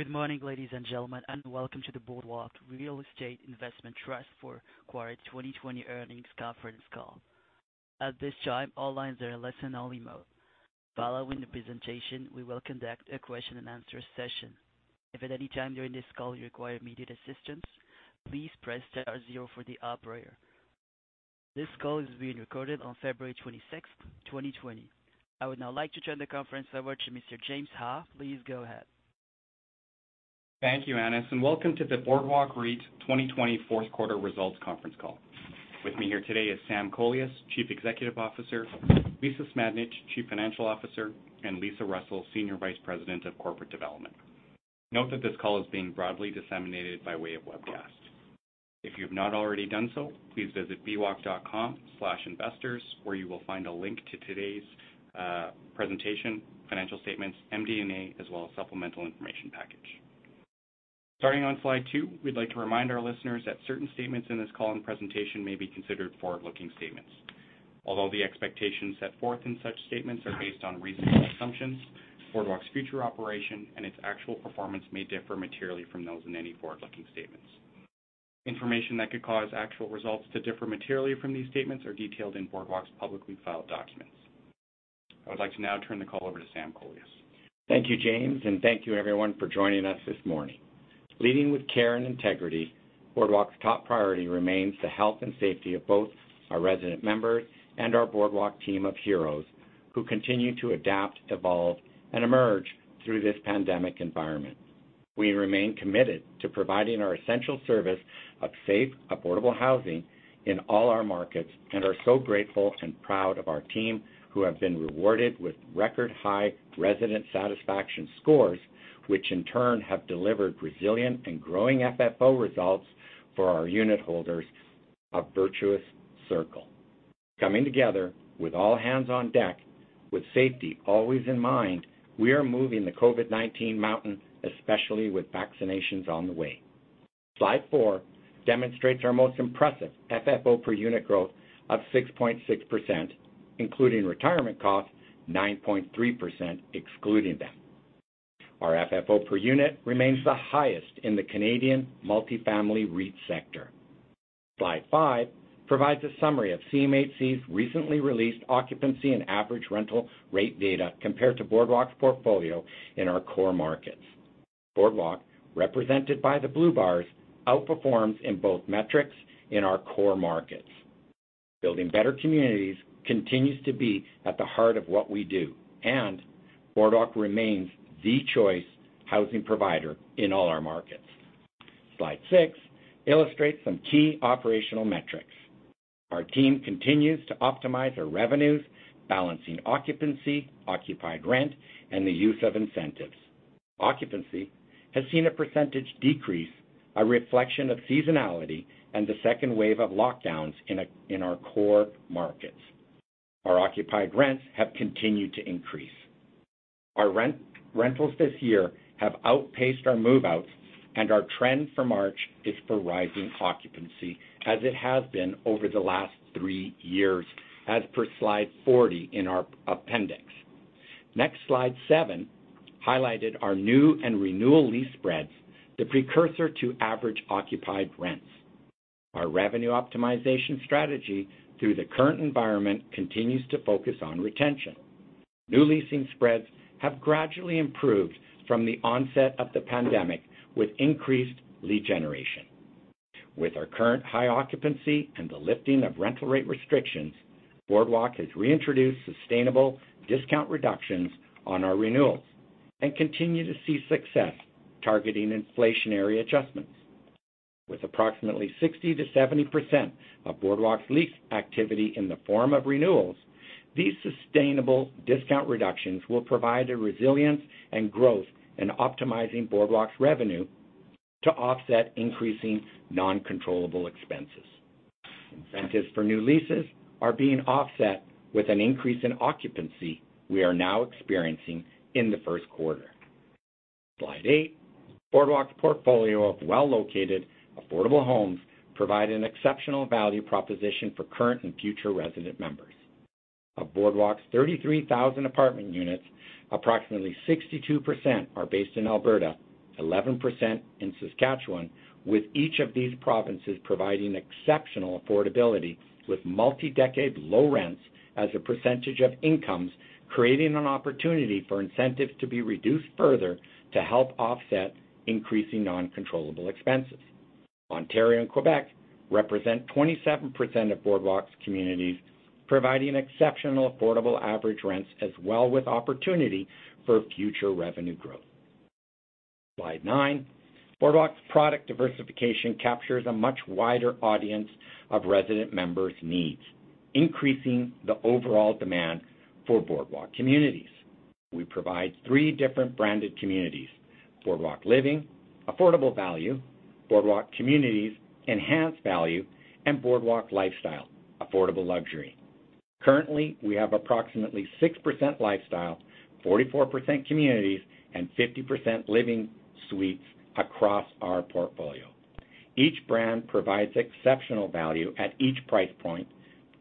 Good morning, ladies and gentlemen, welcome to the Boardwalk Real Estate Investment Trust fourth quarter 2020 earnings conference call. At this time, all lines are in listen-only mode. Following the presentation, we will conduct a question-and-answer session. If at any time during this call you require immediate assistance, please press star zero for the operator. This call is being recorded on February 26, 2020. I would now like to turn the conference over to Mr. James Ha. Please go ahead. Thank you, Anas, and welcome to the Boardwalk REIT 2020 fourth quarter results conference call. With me here today is Sam Kolias, Chief Executive Officer, Lisa Smandych, Chief Financial Officer, and Lisa Russell, Senior Vice President of Corporate Development. Note that this call is being broadly disseminated by way of webcast. If you have not already done so, please visit bwalk.com/investors, where you will find a link to today's presentation, financial statements, MD&A, as well as supplemental information package. Starting on slide two, we'd like to remind our listeners that certain statements in this call and presentation may be considered forward-looking statements. Although the expectations set forth in such statements are based on reasonable assumptions, Boardwalk's future operation and its actual performance may differ materially from those in any forward-looking statements. Information that could cause actual results to differ materially from these statements are detailed in Boardwalk's publicly filed documents. I would like to now turn the call over to Sam Kolias. Thank you, James, and thank you, everyone, for joining us this morning. Leading with care and integrity, Boardwalk's top priority remains the health and safety of both our resident members and our Boardwalk team of heroes who continue to adapt, evolve, and emerge through this pandemic environment. We remain committed to providing our essential service of safe, affordable housing in all our markets and are so grateful and proud of our team who have been rewarded with record-high resident satisfaction scores, which in turn have delivered resilient and growing FFO results for our unitholders, a virtuous circle. Coming together with all hands on deck with safety always in mind, we are moving the COVID-19 mountain, especially with vaccinations on the way. Slide four demonstrates our most impressive FFO per unit growth of 6.6%, including retirement costs, 9.3% excluding them. Our FFO per unit remains the highest in the Canadian multifamily REIT sector. Slide five provides a summary of CMHC's recently released occupancy and average rental rate data compared to Boardwalk's portfolio in our core markets. Boardwalk, represented by the blue bars, outperforms in both metrics in our core markets. Building better communities continues to be at the heart of what we do, and Boardwalk remains the choice housing provider in all our markets. Slide six illustrates some key operational metrics. Our team continues to optimize our revenues, balancing occupancy, occupied rent, and the use of incentives. Occupancy has seen a percentage decrease, a reflection of seasonality and the second wave of lockdowns in our core markets. Our occupied rents have continued to increase. Our rentals this year have outpaced our move-outs, and our trend for March is for rising occupancy, as it has been over the last three years, as per slide 40 in our appendix. Next, slide seven highlighted our new and renewal lease spreads, the precursor to average occupied rents. Our revenue optimization strategy through the current environment continues to focus on retention. New leasing spreads have gradually improved from the onset of the pandemic with increased lead generation. With our current high occupancy and the lifting of rental rate restrictions, Boardwalk has reintroduced sustainable discount reductions on our renewals and continue to see success targeting inflationary adjustments. With approximately 60%-70% of Boardwalk's lease activity in the form of renewals, these sustainable discount reductions will provide a resilience and growth in optimizing Boardwalk's revenue to offset increasing non-controllable expenses. Incentives for new leases are being offset with an increase in occupancy we are now experiencing in the first quarter. Slide eight, Boardwalk's portfolio of well-located affordable homes provide an exceptional value proposition for current and future resident members. Of Boardwalk's 33,000 apartment units, approximately 62% are based in Alberta, 11% in Saskatchewan, with each of these provinces providing exceptional affordability with multi-decade low rents as a percentage of incomes, creating an opportunity for incentives to be reduced further to help offset increasing non-controllable expenses. Ontario and Quebec represent 27% of Boardwalk's communities, providing exceptional affordable average rents as well with opportunity for future revenue growth. Slide nine, Boardwalk's product diversification captures a much wider audience of resident members' needs, increasing the overall demand for Boardwalk communities. We provide three different branded communities, Boardwalk Living, affordable value, Boardwalk Communities, enhanced value, and Boardwalk Lifestyle, affordable luxury. Currently, we have approximately 6% Lifestyle, 44% Communities, and 50% Living suites across our portfolio. Each brand provides exceptional value at each price point,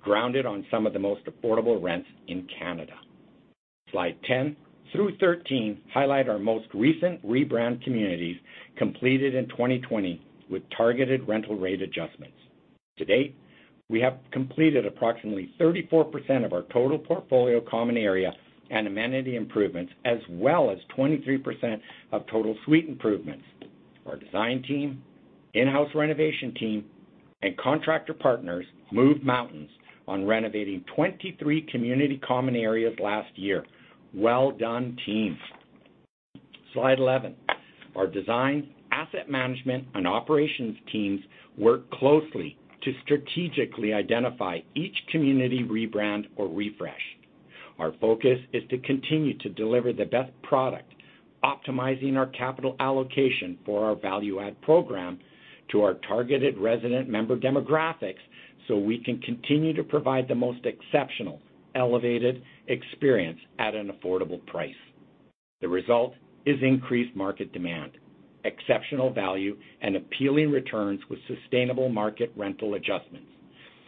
grounded on some of the most affordable rents in Canada. Slide 10-13 highlight our most recent rebrand communities completed in 2020 with targeted rental rate adjustments. To date, we have completed approximately 34% of our total portfolio common area and amenity improvements, as well as 23% of total suite improvements. Our design team, in-house renovation team, and contractor partners moved mountains on renovating 23 community common areas last year. Well done, teams. Slide 11. Our design, asset management, and operations teams work closely to strategically identify each community rebrand or refresh. Our focus is to continue to deliver the best product, optimizing our capital allocation for our value-add program to our targeted resident member demographics, so we can continue to provide the most exceptional, elevated experience at an affordable price. The result is increased market demand, exceptional value, and appealing returns with sustainable market rental adjustments.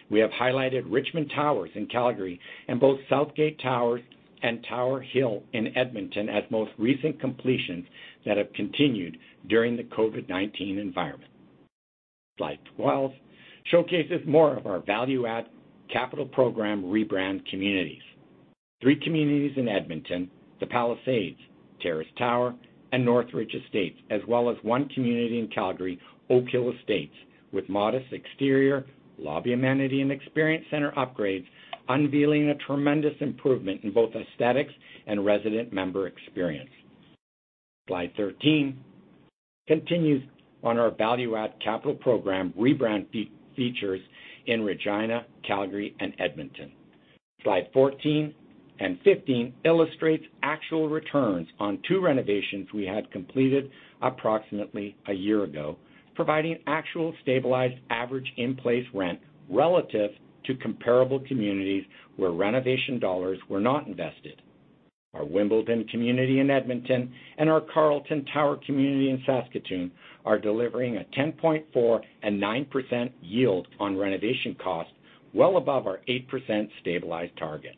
We have highlighted Richmond Towers in Calgary and both Southgate Towers and Tower Hill in Edmonton as most recent completions that have continued during the COVID-19 environment. Slide 12 showcases more of our value-add capital program rebrand communities. Three communities in Edmonton, The Palisades, Terrace Tower, and Northridge Estates, as well as one community in Calgary, Oak Hill Estates, with modest exterior, lobby amenity, and experience center upgrades, unveiling a tremendous improvement in both aesthetics and resident member experience. Slide 13 continues on our value add capital program rebrand features in Regina, Calgary, and Edmonton. Slide 14 and 15 illustrates actual returns on two renovations we had completed approximately a year ago, providing actual stabilized average in-place rent relative to comparable communities where renovation dollars were not invested. Our Wimbledon community in Edmonton and our Carlton Tower community in Saskatoon are delivering a 10.4% and 9% yield on renovation costs well above our 8% stabilized target.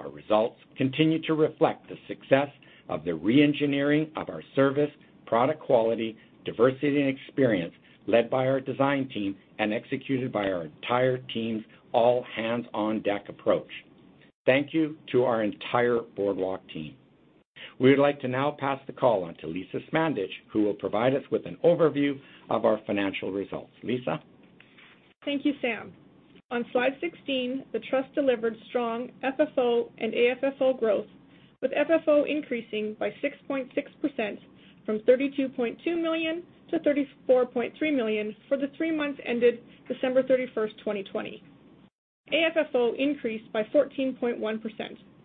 Our results continue to reflect the success of the re-engineering of our service, product quality, diversity, and experience led by our design team and executed by our entire team's all-hands-on-deck approach. Thank you to our entire Boardwalk team. We would like to now pass the call on to Lisa Smandych, who will provide us with an overview of our financial results. Lisa? Thank you, Sam. On Slide 16, the Trust delivered strong FFO and AFFO growth, with FFO increasing by 6.6% from 32.2 million to 34.3 million for the three months ended December 31, 2020. AFFO increased by 14.1%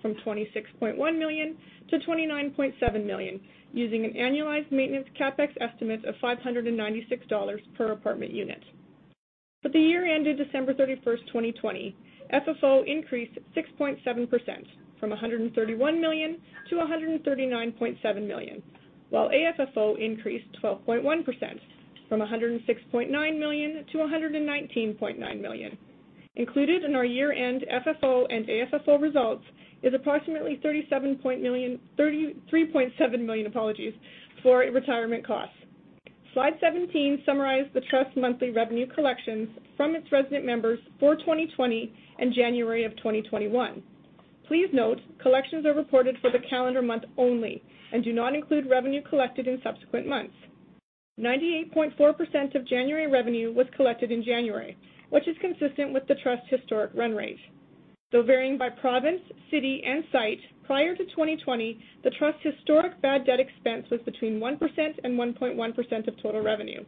from 26.1 million-29.7 million using an annualized maintenance CapEx estimate of 596 dollars per apartment unit. For the year ended December 31, 2020, FFO increased 6.7% from 131 million-139.7 million, while AFFO increased 12.1% from 106.9 million-119.9 million. Included in our year-end FFO and AFFO results is approximately 33.7 million, apologies, for retirement costs. Slide 17 summarize the Trust's monthly revenue collections from its resident members for 2020 and January of 2021. Please note, collections are reported for the calendar month only and do not include revenue collected in subsequent months. 98.4% of January revenue was collected in January, which is consistent with the Trust's historic run rate. Though varying by province, city, and site, prior to 2020, the Trust's historic bad debt expense was between 1% and 1.1% of total revenue.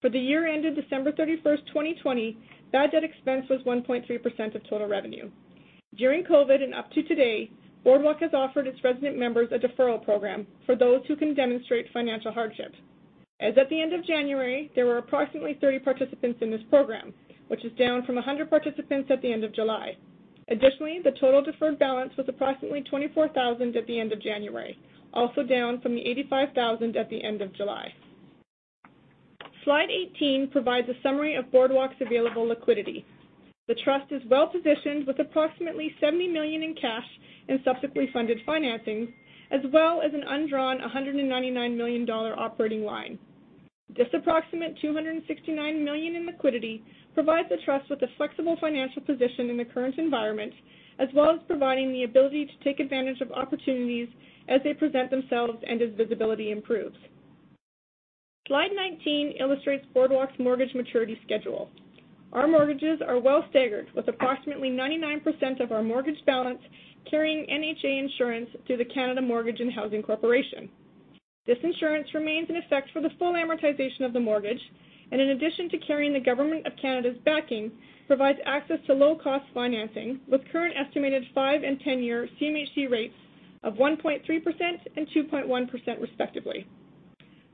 For the year ended December 31st, 2020, bad debt expense was 1.3% of total revenue. During COVID and up to today, Boardwalk has offered its resident members a deferral program for those who can demonstrate financial hardship. As at the end of January, there were approximately 30 participants in this program, which is down from 100 participants at the end of July. Additionally, the total deferred balance was approximately 24,000 at the end of January, also down from the 85,000 at the end of July. Slide 18 provides a summary of Boardwalk's available liquidity. The Trust is well-positioned with approximately 70 million in cash and subsequently funded financings, as well as an undrawn 199 million dollar operating line. This approximate 269 million in liquidity provides the Trust with a flexible financial position in the current environment, as well as providing the ability to take advantage of opportunities as they present themselves and as visibility improves. Slide 19 illustrates Boardwalk's mortgage maturity schedule. Our mortgages are well staggered, with approximately 99% of our mortgage balance carrying NHA insurance through the Canada Mortgage and Housing Corporation. This insurance remains in effect for the full amortization of the mortgage, and in addition to carrying the government of Canada's backing, provides access to low-cost financing, with current estimated five and 10-year CMHC rates of 1.3% and 2.1% respectively.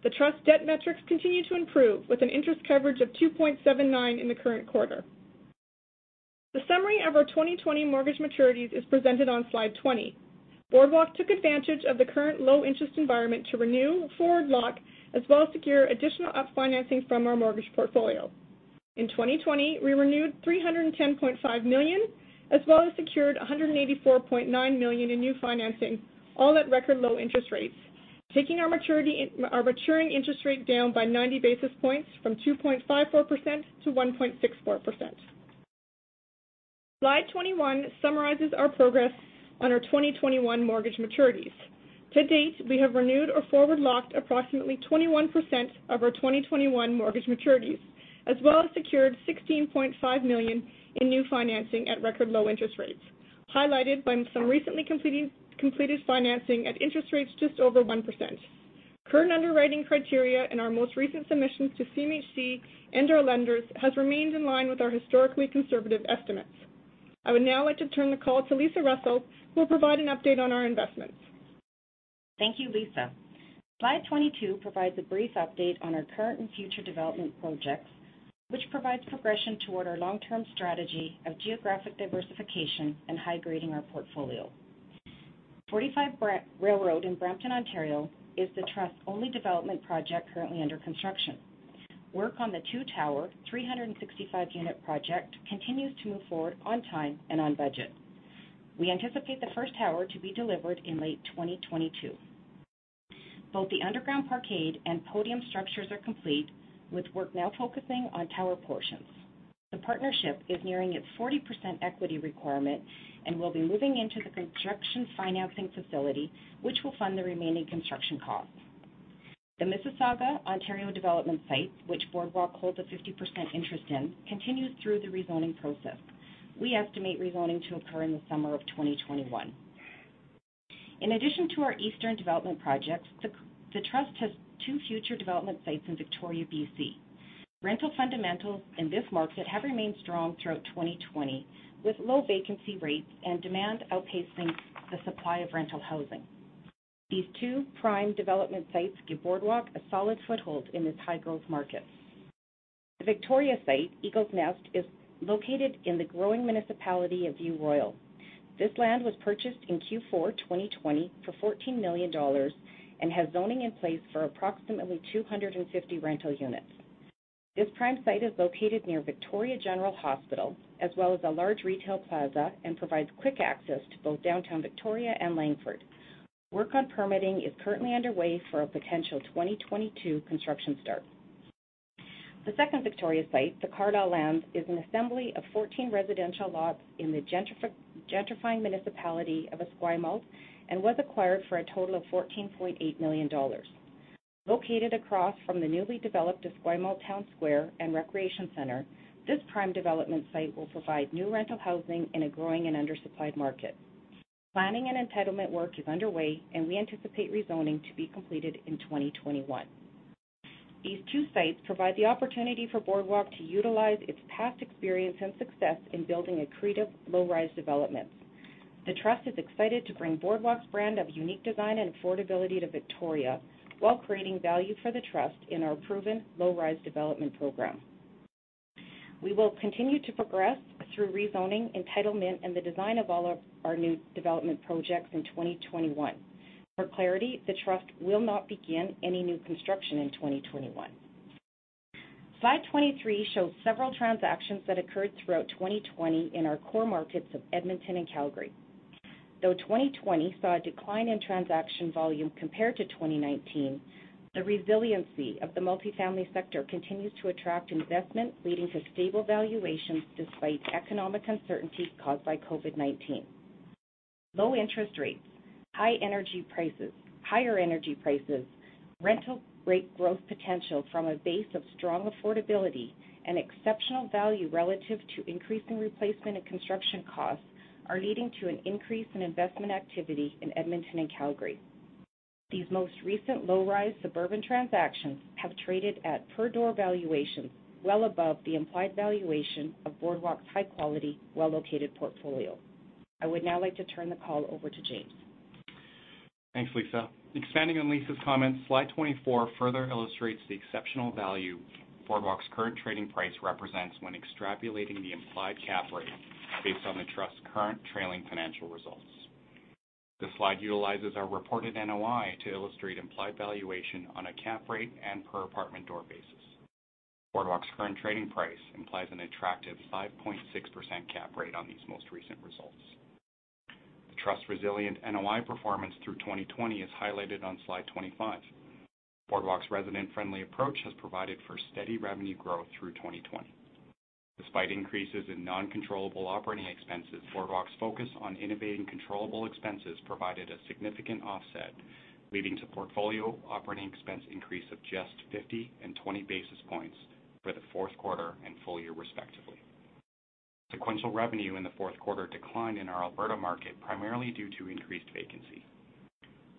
The Trust's debt metrics continue to improve with an interest coverage of 2.79 in the current quarter. The summary of our 2020 mortgage maturities is presented on slide 20. Boardwalk took advantage of the current low interest environment to renew, forward lock, as well as secure additional up financing from our mortgage portfolio. In 2020, we renewed 310.5 million, as well as secured 184.9 million in new financing, all at record low interest rates, taking our maturing interest rate down by 90 basis points from 2.54%-1.64%. Slide 21 summarizes our progress on our 2021 mortgage maturities. To date, we have renewed or forward locked approximately 21% of our 2021 mortgage maturities, as well as secured 16.5 million in new financing at record low interest rates, highlighted by some recently completed financing at interest rates just over 1%. Current underwriting criteria in our most recent submissions to CMHC and our lenders has remained in line with our historically conservative estimates. I would now like to turn the call to Lisa Russell, who will provide an update on our investments. Thank you, Lisa. Slide 22 provides a brief update on our current and future development projects, which provides progression toward our long-term strategy of geographic diversification and high grading our portfolio. 45 Railroad in Brampton, Ontario is the trust's only development project currently under construction. Work on the two tower, 365-unit project continues to move forward on time and on budget. We anticipate the first tower to be delivered in late 2022. Both the underground parkade and podium structures are complete, with work now focusing on tower portions. The partnership is nearing its 40% equity requirement and will be moving into the construction financing facility, which will fund the remaining construction costs. The Mississauga, Ontario development site, which Boardwalk holds a 50% interest in, continues through the rezoning process. We estimate rezoning to occur in the summer of 2021. In addition to our eastern development projects, the trust has two future development sites in Victoria, B.C. Rental fundamentals in this market have remained strong throughout 2020, with low vacancy rates and demand outpacing the supply of rental housing. These two prime development sites give Boardwalk a solid foothold in this high-growth market. The Victoria site, Eagle's Nest, is located in the growing municipality of View Royal. This land was purchased in Q4 2020 for 14 million dollars and has zoning in place for approximately 250 rental units. This prime site is located near Victoria General Hospital as well as a large retail plaza and provides quick access to both downtown Victoria and Langford. Work on permitting is currently underway for a potential 2022 construction start. The second Victoria site, the Carlisle land, is an assembly of 14 residential lots in the gentrifying municipality of Esquimalt and was acquired for a total of 14.8 million dollars. Located across from the newly developed Esquimalt Town Square and Recreation Center, this prime development site will provide new rental housing in a growing and undersupplied market. Planning and entitlement work is underway, and we anticipate rezoning to be completed in 2021. These two sites provide the opportunity for Boardwalk to utilize its past experience and success in building accretive low-rise developments. The trust is excited to bring Boardwalk's brand of unique design and affordability to Victoria while creating value for the trust in our proven low-rise development program. We will continue to progress through rezoning, entitlement, and the design of all of our new development projects in 2021. For clarity, the trust will not begin any new construction in 2021. Slide 23 shows several transactions that occurred throughout 2020 in our core markets of Edmonton and Calgary. Though 2020 saw a decline in transaction volume compared to 2019, the resiliency of the multifamily sector continues to attract investment, leading to stable valuations despite economic uncertainty caused by COVID-19. Low interest rates, higher energy prices, rental rate growth potential from a base of strong affordability, and exceptional value relative to increasing replacement and construction costs are leading to an increase in investment activity in Edmonton and Calgary. These most recent low-rise suburban transactions have traded at per door valuations well above the implied valuation of Boardwalk's high quality, well-located portfolio. I would now like to turn the call over to James. Thanks, Lisa. Expanding on Lisa's comments, slide 24 further illustrates the exceptional value Boardwalk's current trading price represents when extrapolating the implied cap rate based on the trust's current trailing financial results. This slide utilizes our reported NOI to illustrate implied valuation on a cap rate and per apartment door basis. Boardwalk's current trading price implies an attractive 5.6% cap rate on these most recent results. The trust's resilient NOI performance through 2020 is highlighted on slide 25. Boardwalk's resident-friendly approach has provided for steady revenue growth through 2020. Despite increases in non-controllable operating expenses, Boardwalk's focus on innovating controllable expenses provided a significant offset, leading to portfolio operating expense increase of just 50 and 20 basis points for the fourth quarter and full year respectively. Sequential revenue in the fourth quarter declined in our Alberta market, primarily due to increased vacancy.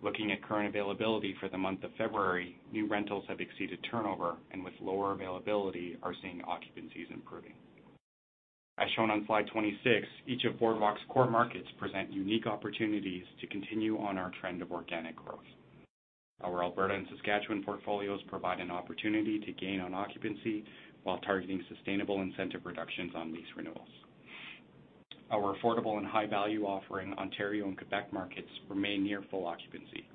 Looking at current availability for the month of February, new rentals have exceeded turnover and with lower availability, are seeing occupancies improving. As shown on slide 26, each of Boardwalk's core markets present unique opportunities to continue on our trend of organic growth. Our Alberta and Saskatchewan portfolios provide an opportunity to gain on occupancy while targeting sustainable incentive reductions on lease renewals. Our affordable and high-value offering, Ontario and Quebec markets, remain near full occupancy.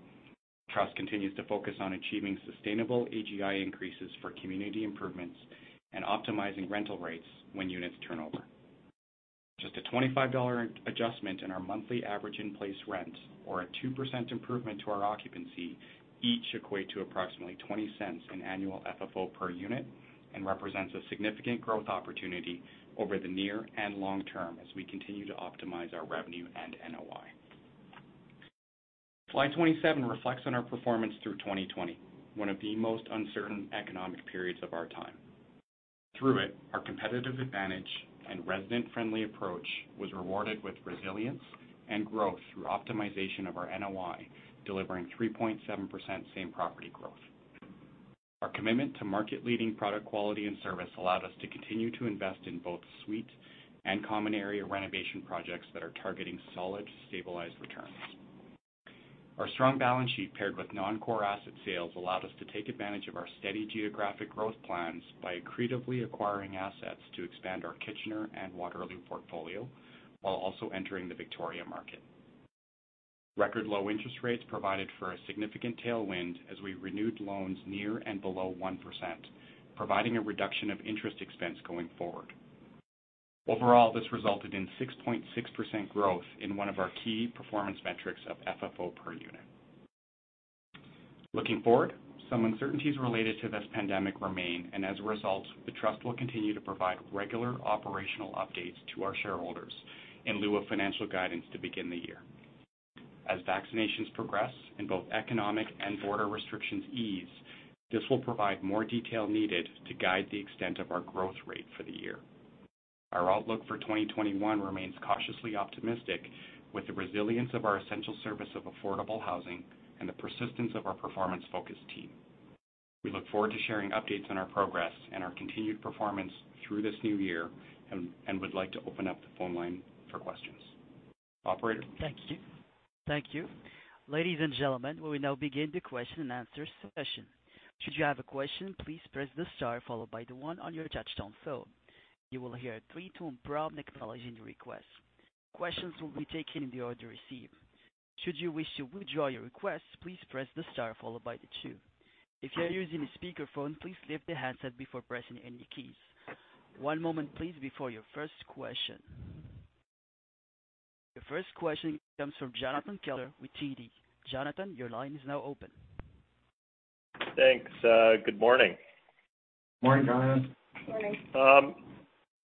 Trust continues to focus on achieving sustainable AGI increases for community improvements and optimizing rental rates when units turn over. Just a 25 dollar adjustment in our monthly average in-place rent or a 2% improvement to our occupancy each equate to approximately 0.20 in annual FFO per unit and represents a significant growth opportunity over the near and long term as we continue to optimize our revenue and NOI. Slide 27 reflects on our performance through 2020, one of the most uncertain economic periods of our time. Through it, our competitive advantage and resident-friendly approach was rewarded with resilience and growth through optimization of our NOI, delivering 3.7% same property growth. Our commitment to market-leading product quality and service allowed us to continue to invest in both suite and common area renovation projects that are targeting solid, stabilized returns. Our strong balance sheet, paired with non-core asset sales, allowed us to take advantage of our steady geographic growth plans by accretively acquiring assets to expand our Kitchener and Waterloo portfolio while also entering the Victoria market. Record low interest rates provided for a significant tailwind as we renewed loans near and below 1%, providing a reduction of interest expense going forward. Overall, this resulted in 6.6% growth in one of our key performance metrics of FFO per unit. Looking forward, some uncertainties related to this pandemic remain, and as a result, the trust will continue to provide regular operational updates to our shareholders in lieu of financial guidance to begin the year. As vaccinations progress and both economic and border restrictions ease, this will provide more detail needed to guide the extent of our growth rate for the year. Our outlook for 2021 remains cautiously optimistic with the resilience of our essential service of affordable housing and the persistence of our performance-focused team. We look forward to sharing updates on our progress and our continued performance through this new year and would like to open up the phone line for questions. Operator? Thank you. Ladies and gentlemen. We will now begin the question-and-answer session. Should you have a question please press the star followed by the one on your touch-tone phone. You will hear a three-tone prompt to [inaudible] in your request. Questions will be taken in the order received. Should you wish to withdraw your request, please press the star followed by the two. If you are using a speakerphone, please lift the handset before pressing any keys. One moment please before your first question. Your first question comes from Jonathan Kelcher with TD. Jonathan, your line is now open. Thanks. Good morning. Morning, Jonathan.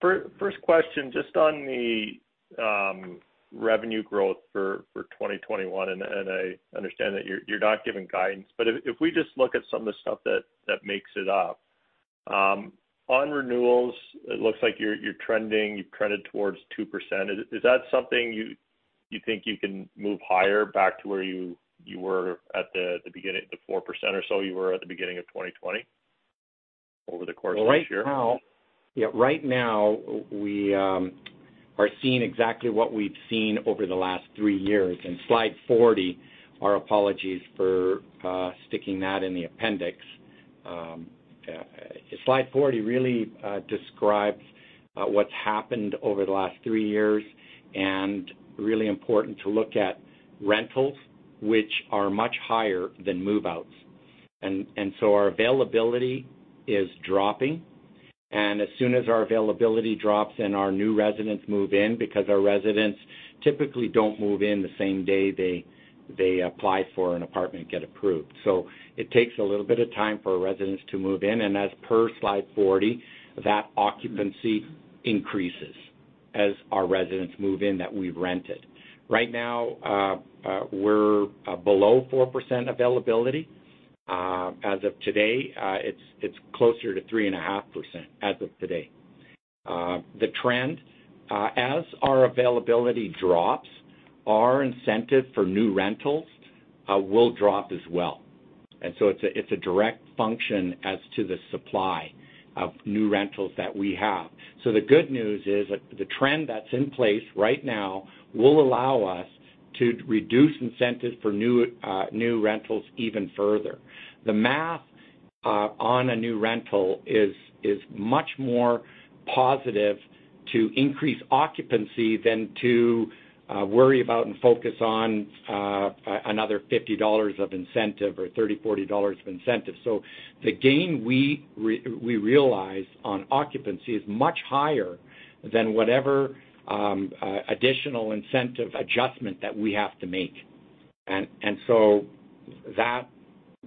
First question, just on the revenue growth for 2021. I understand that you're not giving guidance, if we just look at some of the stuff that makes it up. On renewals, it looks like you're trending. You've trended towards 2%. Is that something you think you can move higher back to where you were at the beginning, the 4% or so you were at the beginning of 2020 over the course of this year? Right now, we are seeing exactly what we've seen over the last three years. In slide 40, our apologies for sticking that in the appendix. Slide 40 really describes what's happened over the last three years. Really important to look at rentals, which are much higher than move-outs. Our availability is dropping, and as soon as our availability drops and our new residents move in, because our residents typically don't move in the same day they apply for an apartment and get approved. It takes a little bit of time for residents to move in, and as per slide 40, that occupancy increases as our residents move in that we've rented. Right now, we're below 4% availability. As of today, it's closer to 3.5% as of today. The trend, as our availability drops, our incentive for new rentals will drop as well. It's a direct function as to the supply of new rentals that we have. The good news is that the trend that's in place right now will allow us to reduce incentives for new rentals even further. The math on a new rental is much more positive to increase occupancy than to worry about and focus on another 50 dollars of incentive or 30 dollars, CAD 40 of incentive. The gain we realize on occupancy is much higher than whatever additional incentive adjustment that we have to make.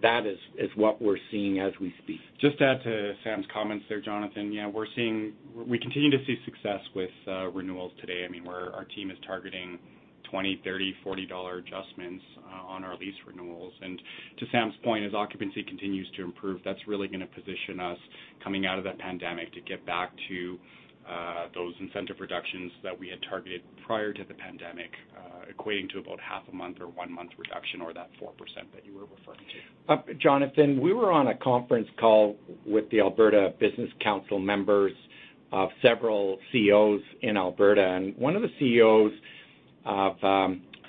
That is what we're seeing as we speak. Just to add to Sam's comments there, Jonathan, we continue to see success with renewals today. Our team is targeting 20, 30, 40 dollar adjustments on our lease renewals. To Sam's point, as occupancy continues to improve, that's really going to position us coming out of that pandemic to get back to those incentive reductions that we had targeted prior to the pandemic, equating to about half a month or one month reduction or that 4% that you were referring to. Jonathan, we were on a conference call with the Business Council of Alberta members of several CEOs in Alberta, and one of the CEOs Of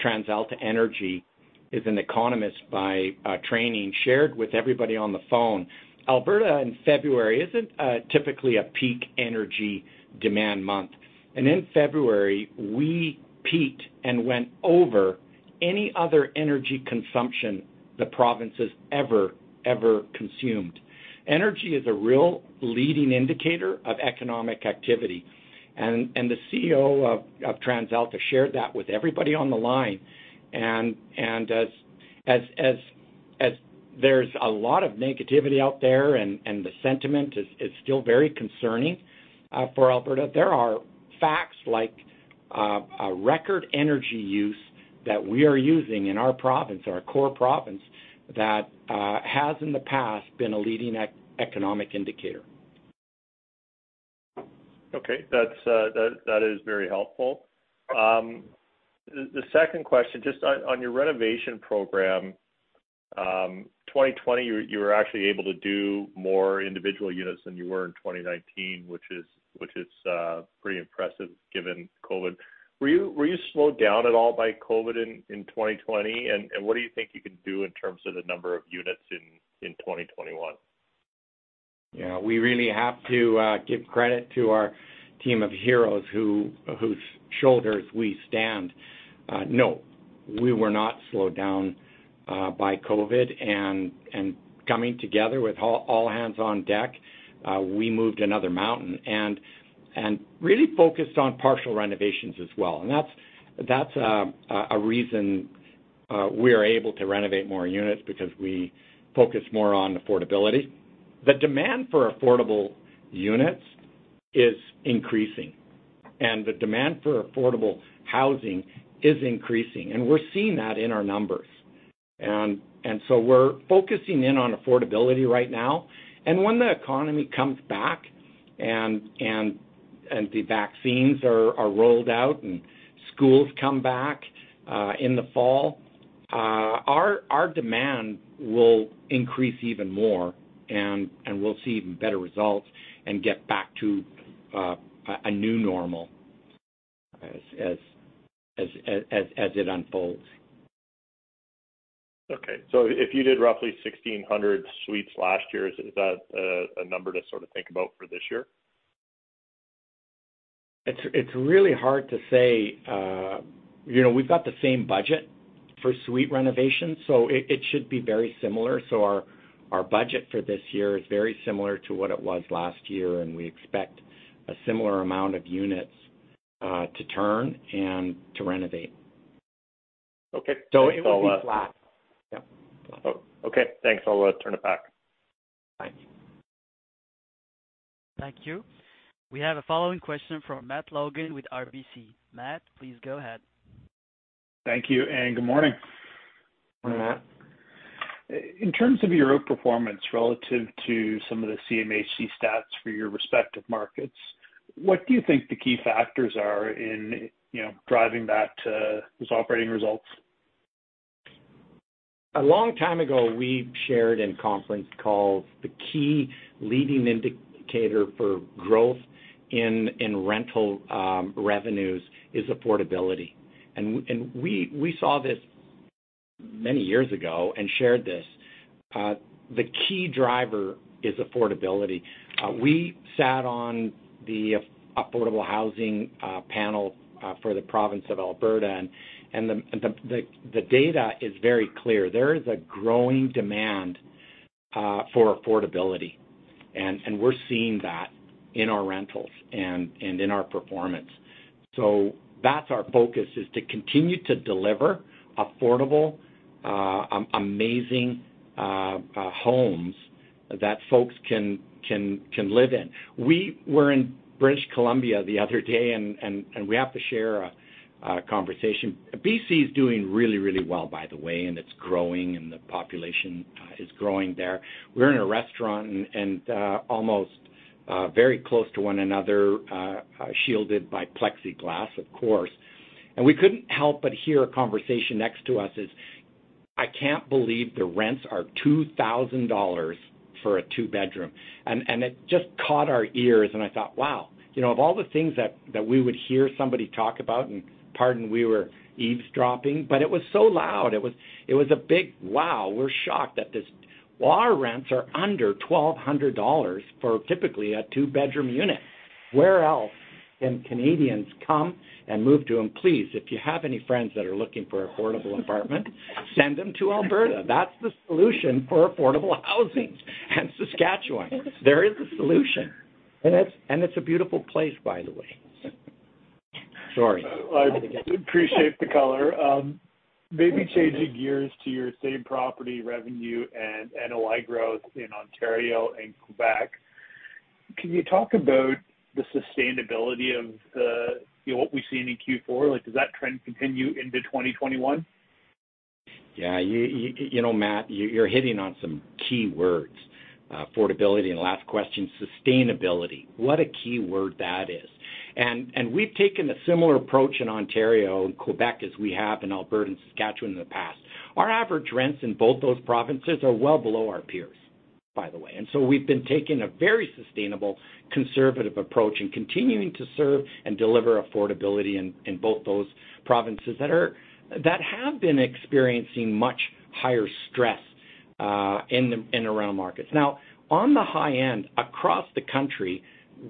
TransAlta, energy is an economist by training, shared with everybody on the phone. Alberta in February isn't typically a peak energy demand month, and in February, we peaked and went over any other energy consumption the province has ever consumed. Energy is a real leading indicator of economic activity. The CEO of TransAlta shared that with everybody on the line. As there's a lot of negativity out there and the sentiment is still very concerning for Alberta, there are facts like a record energy use that we are using in our province, our core province, that has in the past been a leading economic indicator. Okay. That is very helpful. The second question, just on your renovation program, 2020, you were actually able to do more individual units than you were in 2019, which is pretty impressive given COVID. Were you slowed down at all by COVID in 2020? What do you think you can do in terms of the number of units in 2021? Yeah. We really have to give credit to our team of heroes on whose shoulders we stand. No, we were not slowed down by COVID. Coming together with all hands on deck, we moved another mountain and really focused on partial renovations as well. That's a reason we are able to renovate more units because we focus more on affordability. The demand for affordable units is increasing, and the demand for affordable housing is increasing, and we're seeing that in our numbers. We're focusing in on affordability right now. When the economy comes back, and the vaccines are rolled out, and schools come back in the fall, our demand will increase even more, and we'll see even better results and get back to a new normal as it unfolds. Okay. If you did roughly 1,600 suites last year, is that a number to sort of think about for this year? It is really hard to say. We have got the same budget for suite renovations, it should be very similar. Our budget for this year is very similar to what it was last year, and we expect a similar amount of units to turn and to renovate. Okay. It will be flat. Yeah. Okay, thanks. I'll turn it back. Thank you. We have a following question from Matt Logan with RBC. Matt, please go ahead. Thank you, and good morning. Morning, Matt. In terms of your outperformance relative to some of the CMHC stats for your respective markets, what do you think the key factors are in driving that to those operating results? A long time ago, we shared in conference calls the key leading indicator for growth in rental revenues is affordability. We saw this many years ago and shared this. The key driver is affordability. We sat on the affordable housing panel for the province of Alberta, and the data is very clear. There is a growing demand for affordability, and we're seeing that in our rentals and in our performance. That's our focus, is to continue to deliver affordable, amazing homes that folks can live in. We were in British Columbia the other day, and we have to share a conversation. B.C. is doing really well, by the way, and it's growing, and the population is growing there. We're in a restaurant and almost very close to one another, shielded by plexiglass, of course. We couldn't help but hear a conversation next to us is, "I can't believe the rents are 2,000 dollars for a 2-bedroom." It just caught our ears, and I thought, wow. Of all the things that we would hear somebody talk about, and pardon, we were eavesdropping, but it was so loud. It was a big wow. We're shocked that our rents are under 1,200 dollars for typically a 2-bedroom unit. Where else can Canadians come and move to? Please, if you have any friends that are looking for affordable apartment, send them to Alberta. That's the solution for affordable housing. Saskatchewan. There is a solution. It's a beautiful place, by the way. Sorry. I appreciate the color. Maybe changing gears to your same-property revenue and NOI growth in Ontario and Quebec. Can you talk about the sustainability of what we've seen in Q4? Like, does that trend continue into 2021? Yeah. Matt, you're hitting on some key words. Affordability, and last question, sustainability. What a key word that is. We've taken a similar approach in Ontario and Quebec as we have in Alberta and Saskatchewan in the past. Our average rents in both those provinces are well below our peers. By the way, we've been taking a very sustainable, conservative approach and continuing to serve and deliver affordability in both those provinces that have been experiencing much higher stress in and around markets. Now, on the high end, across the country,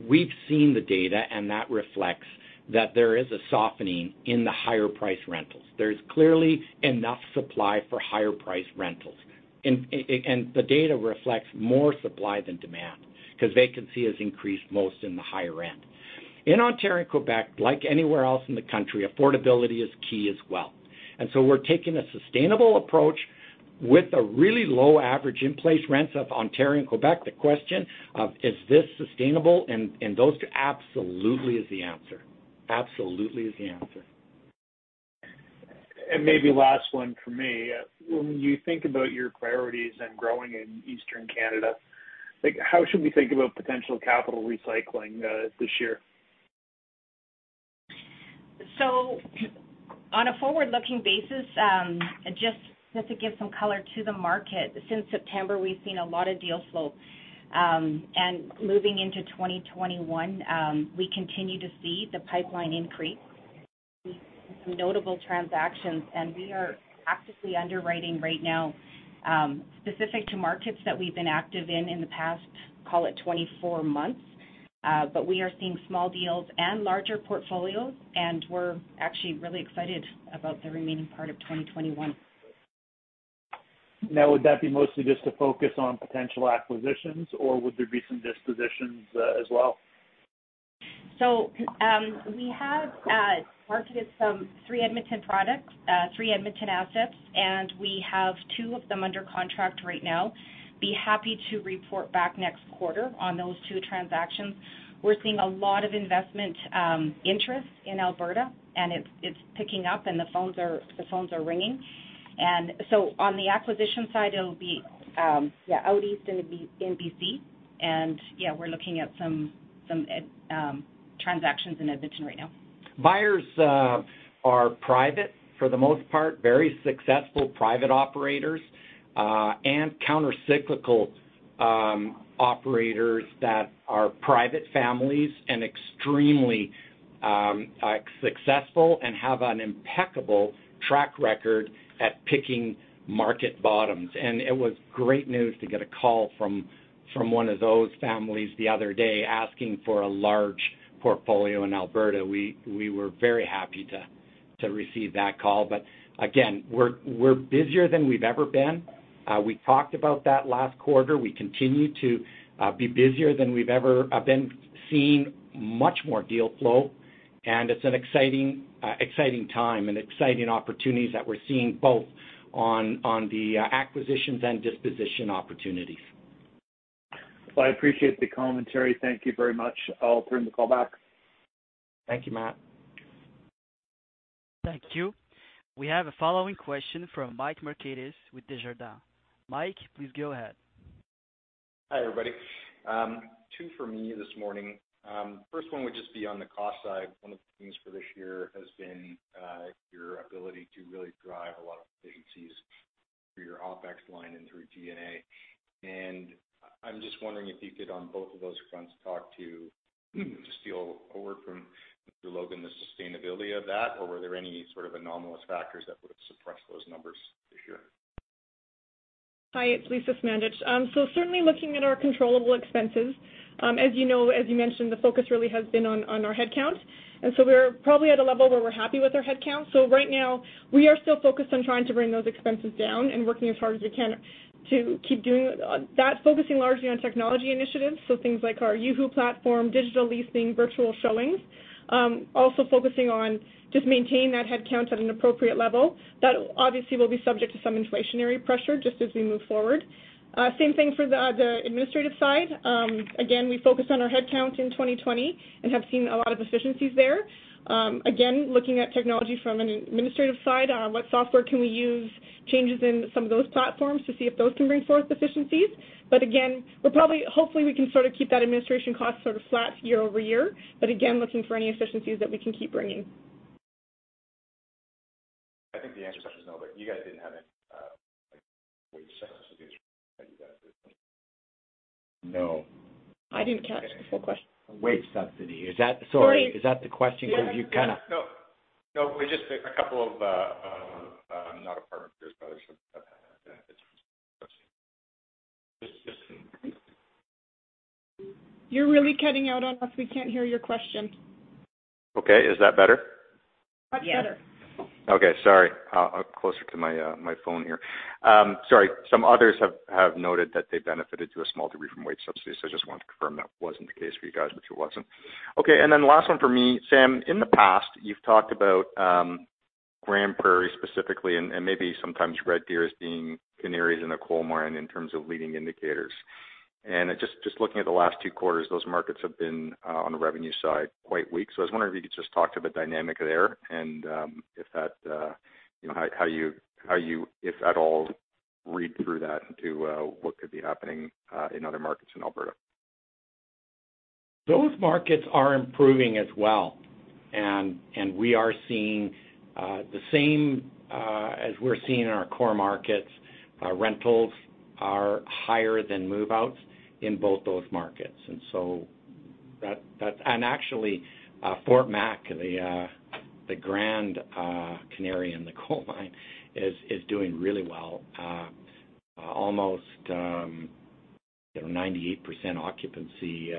we've seen the data, and that reflects that there is a softening in the higher price rentals. There's clearly enough supply for higher price rentals. The data reflects more supply than demand, because vacancy has increased most in the higher end. In Ontario and Quebec, like anywhere else in the country, affordability is key as well. We're taking a sustainable approach with the really low average in-place rents of Ontario and Quebec. The question of is this sustainable in those two? Absolutely is the answer. Maybe last one from me. When you think about your priorities and growing in Eastern Canada, how should we think about potential capital recycling this year? On a forward-looking basis, just to give some color to the market, since September, we've seen a lot of deal flow. Moving into 2021, we continue to see the pipeline increase with some notable transactions, and we are actively underwriting right now specific to markets that we've been active in in the past, call it 24 months. We are seeing small deals and larger portfolios, and we're actually really excited about the remaining part of 2021. Now, would that be mostly just a focus on potential acquisitions, or would there be some dispositions as well? We have marketed some three Edmonton products, three Edmonton assets, and we have two of them under contract right now. Be happy to report back next quarter on those two transactions. We're seeing a lot of investment interest in Alberta, it's picking up and the phones are ringing. On the acquisition side, it'll be out east and in B.C. Yeah, we're looking at some transactions in Edmonton right now. Buyers are private, for the most part, very successful private operators, and counter-cyclical operators that are private families and extremely successful and have an impeccable track record at picking market bottoms. It was great news to get a call from one of those families the other day asking for a large portfolio in Alberta. We were very happy to receive that call. Again, we're busier than we've ever been. We talked about that last quarter. We continue to be busier than we've ever been, seeing much more deal flow. It's an exciting time and exciting opportunities that we're seeing both on the acquisitions and disposition opportunities. Well, I appreciate the commentary. Thank you very much. I'll turn the call back. Thank you, Matt. Thank you. We have a following question from Michael Markidis with Desjardins. Mike, please go ahead. Hi, everybody. Two for me this morning. First one would just be on the cost side. One of the themes for this year has been your ability to really drive a lot of efficiencies through your OpEx line and through G&A. I'm just wondering if you could, on both of those fronts, talk to, just to steal a word from [Mr. Logan], the sustainability of that, or were there any sort of anomalous factors that would have suppressed those numbers this year? Hi, it's Lisa Smandych. Certainly looking at our controllable expenses. As you know, as you mentioned, the focus really has been on our headcount. We're probably at a level where we're happy with our headcount. Right now, we are still focused on trying to bring those expenses down and working as hard as we can to keep doing that, focusing largely on technology initiatives. Things like our Yuhu platform, digital leasing, virtual showings. Focusing on just maintaining that headcount at an appropriate level. That obviously will be subject to some inflationary pressure just as we move forward. Same thing for the administrative side. We focused on our headcount in 2020 and have seen a lot of efficiencies there. Looking at technology from an administrative side, what software can we use, changes in some of those platforms to see if those can bring forth efficiencies. Hopefully we can sort of keep that administration cost sort of flat year-over-year, looking for any efficiencies that we can keep bringing. I think the answer to that is no. You guys didn't have any wage subsidies that? No. I didn't catch the full question. Wage subsidy. Sorry. Is that the question? No. No, just a couple of, not You're really cutting out on us. We can't hear your question. Okay. Is that better? Much better. Yes. Okay. Sorry. Closer to my phone here. Sorry. Some others have noted that they benefited to a small degree from wage subsidies. I just wanted to confirm that wasn't the case for you guys, which it wasn't. Last one for me. Sam, in the past, you've talked about Grande Prairie specifically and maybe sometimes Red Deer as being canaries in the coal mine in terms of leading indicators. Just looking at the last two quarters, those markets have been, on the revenue side, quite weak. I was wondering if you could just talk to the dynamic there and how you, if at all, read through that into what could be happening in other markets in Alberta? Those markets are improving as well. We are seeing the same as we're seeing in our core markets. Rentals are higher than move-outs in both those markets. Actually Fort Mac, the grand canary in the coal mine, is doing really well. Almost 98% occupancy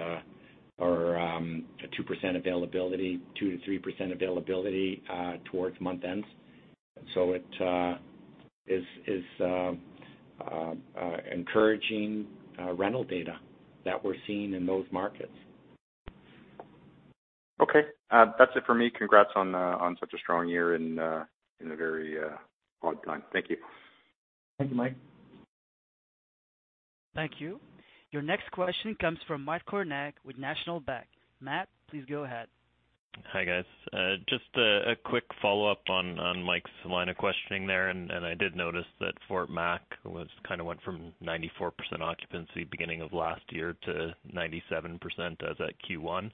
or 2% availability, 2%-3% availability towards month-end. It is encouraging rental data that we're seeing in those markets. Okay. That's it for me. Congrats on such a strong year in a very odd time. Thank you. Thank you, Mike. Thank you. Your next question comes from Matt Kornack with National Bank. Matt, please go ahead. Hi, guys. Just a quick follow-up on Mike's line of questioning there. I did notice that Fort Mac kind of went from 94% occupancy beginning of last year to 97% as at Q1.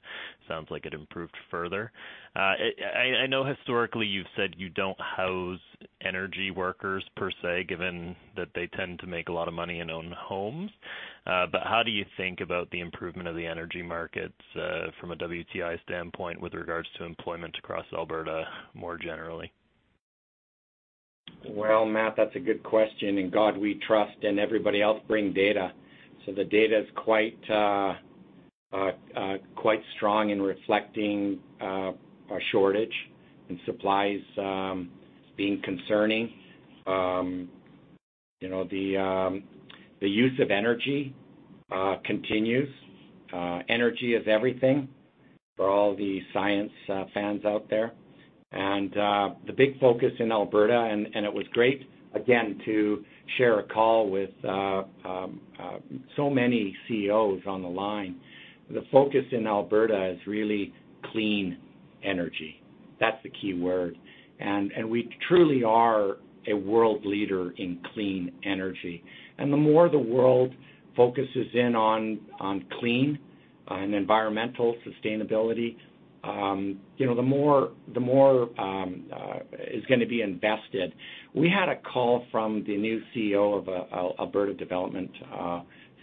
Sounds like it improved further. I know historically you've said you don't house energy workers per se, given that they tend to make a lot of money and own homes. How do you think about the improvement of the energy markets from a WTI standpoint with regards to employment across Alberta more generally? Well, Matt, that's a good question. In God we trust, everybody else bring data. The data is quite strong in reflecting a shortage in supplies being concerning. The use of energy continues. Energy is everything for all the science fans out there. The big focus in Alberta, it was great, again, to share a call with so many CEOs on the line. The focus in Alberta is really clean energy. That's the key word. We truly are a world leader in clean energy. The more the world focuses in on clean and environmental sustainability, the more is going to be invested. We had a call from the new CEO of Alberta development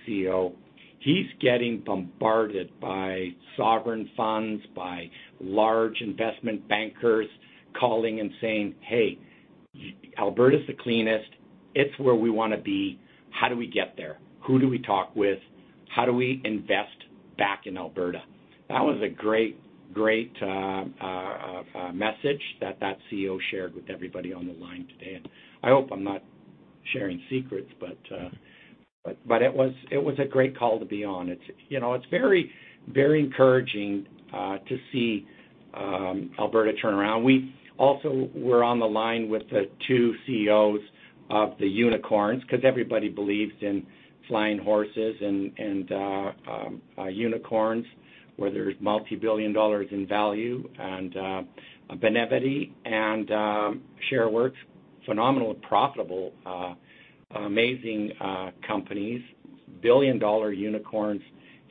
CEO. He's getting bombarded by sovereign funds, by large investment bankers calling and saying, hey, Alberta is the cleanest. It is where we want to be. How do we get there? Who do we talk with? How do we invest back in Alberta? That was a great message that CEO shared with everybody on the line today. I hope I'm not sharing secrets, but it was a great call to be on. It's very encouraging to see Alberta turn around. We also were on the line with the two CEOs of the unicorns because everybody believes in flying horses and unicorns where there's multi-billion dollars in value, and Benevity and Shareworks, phenomenal, profitable amazing companies, billion-dollar unicorns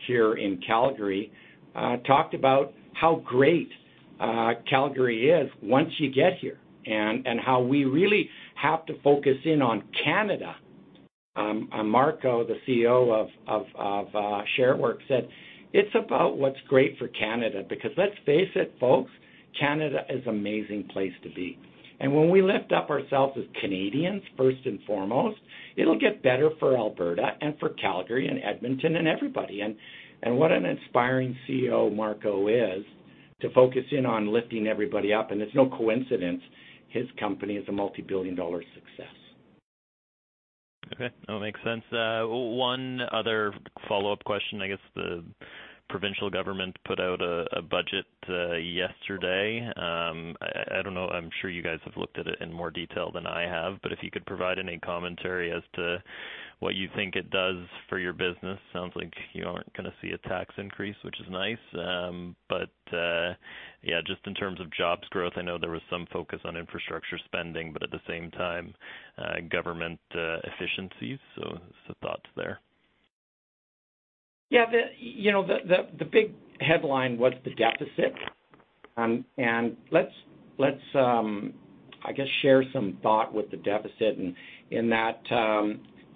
here in Calgary talked about how great Calgary is once you get here and how we really have to focus in on Canada. Marcos, the CEO of Shareworks, said, it's about what's great for Canada, because let's face it, folks, Canada is an amazing place to be. When we lift up ourselves as Canadians first and foremost, it'll get better for Alberta and for Calgary and Edmonton and everybody. What an inspiring CEO Marcos is to focus in on lifting everybody up. It's no coincidence his company is a multi-billion-dollar success. Okay. That makes sense. One other follow-up question. I guess the provincial government put out a budget yesterday. I don't know, I'm sure you guys have looked at it in more detail than I have. If you could provide any commentary as to what you think it does for your business. Sounds like you aren't going to see a tax increase, which is nice. Yeah, just in terms of jobs growth, I know there was some focus on infrastructure spending, but at the same time, government efficiencies. Just some thoughts there. Yeah. The big headline was the deficit. Let's, I guess, share some thought with the deficit in that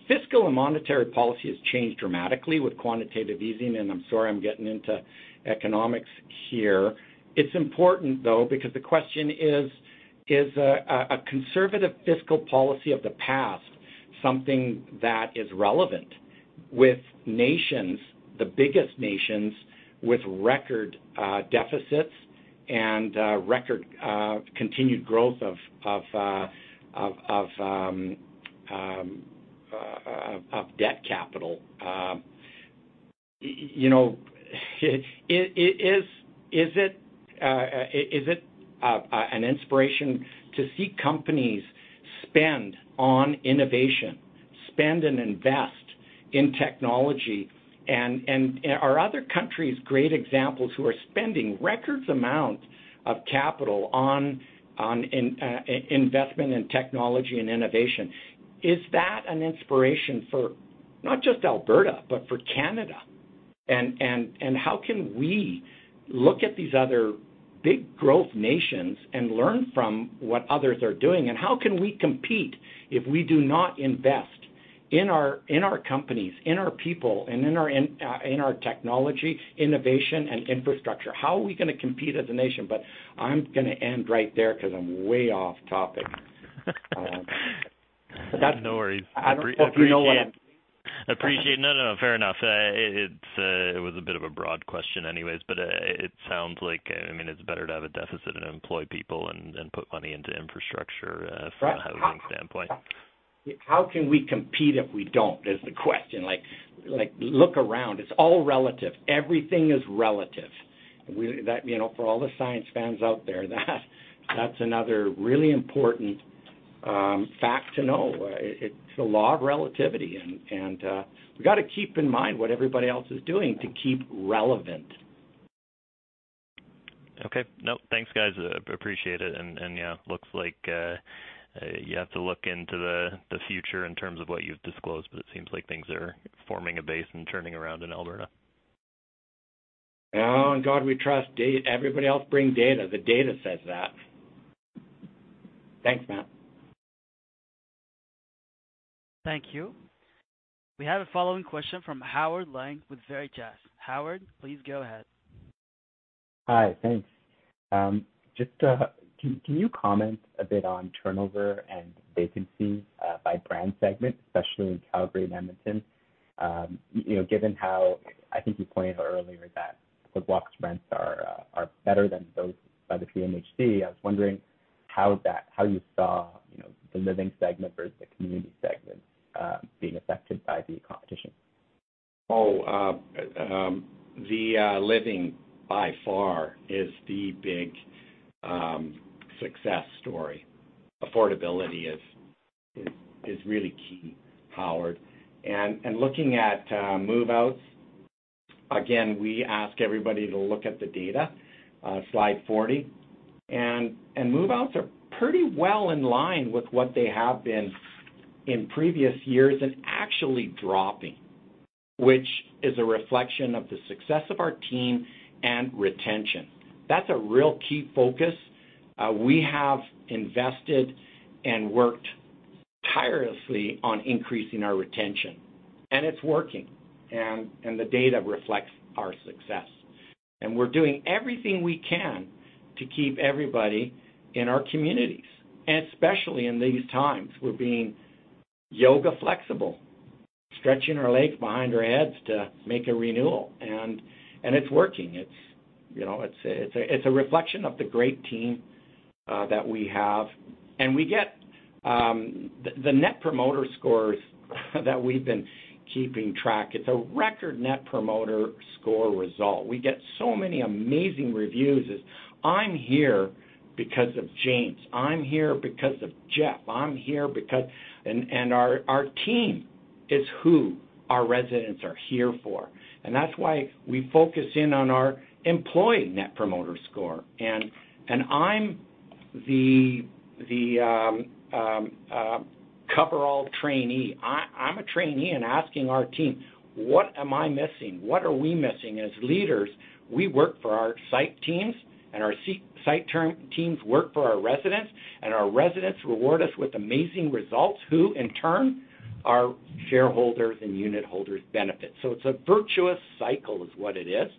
fiscal and monetary policy has changed dramatically with quantitative easing, and I'm sorry, I'm getting into economics here. It's important, though, because the question is a conservative fiscal policy of the past something that is relevant with nations, the biggest nations with record deficits and record continued growth of debt capital. Is it an inspiration to see companies spend on innovation, spend and invest in technology? Are other countries great examples who are spending record amounts of capital on investment in technology and innovation? Is that an inspiration for not just Alberta, but for Canada? How can we look at these other big growth nations and learn from what others are doing? How can we compete if we do not invest in our companies, in our people, and in our technology, innovation, and infrastructure? How are we going to compete as a nation? I'm going to end right there because I'm way off topic. No worries. I hope you know what- Appreciate. No, fair enough. It was a bit of a broad question anyways, but it sounds like, it's better to have a deficit and employ people and put money into infrastructure- Right. from a housing standpoint. How can we compete if we don't, is the question. Look around. It's all relative. Everything is relative. For all the science fans out there, that's another really important fact to know. It's the law of relativity, and we got to keep in mind what everybody else is doing to keep relevant. Okay. Nope. Thanks, guys. Appreciate it. Yeah, looks like you have to look into the future in terms of what you've disclosed, but it seems like things are forming a base and turning around in Alberta. In God we trust. Everybody else bring data. The data says that. Thanks, Matt. Thank you. We have a following question from Howard Leung with Veritas. Howard, please go ahead. Hi. Thanks. Can you comment a bit on turnover and vacancy by brand segment, especially in Calgary and Edmonton? Given how, I think you pointed out earlier that Boardwalk's rents are better than those by the CMHC, I was wondering how you saw the Living segment versus the Communities segment being affected by the competition. Oh, Living, by far, is the big success story. Affordability is really key, Howard. Looking at move-outs, again, we ask everybody to look at the data. Slide 40. Move-outs are pretty well in line with what they have been in previous years and actually dropping, which is a reflection of the success of our team and retention. That's a real key focus. We have invested and worked tirelessly on increasing our retention, and it's working. The data reflects our success. We're doing everything we can to keep everybody in our Communities. Especially in these times, we're being yoga flexible, stretching our legs behind our heads to make a renewal. It's working. It's a reflection of the great team that we have. The Net Promoter Scores that we've been keeping track, it's a record Net Promoter Score result. We get so many amazing reviews as, I'm here because of James. I'm here because of Jeff. I'm here because our team is who our residents are here for. That's why we focus in on our Employee Net Promoter Score. I'm the coverall trainee. I'm a trainee and asking our team, what am I missing? What are we missing as leaders? We work for our site teams, and our site teams work for our residents, and our residents reward us with amazing results who, in turn, our shareholders' and unit holders' benefit. It's a virtuous cycle, is what it is,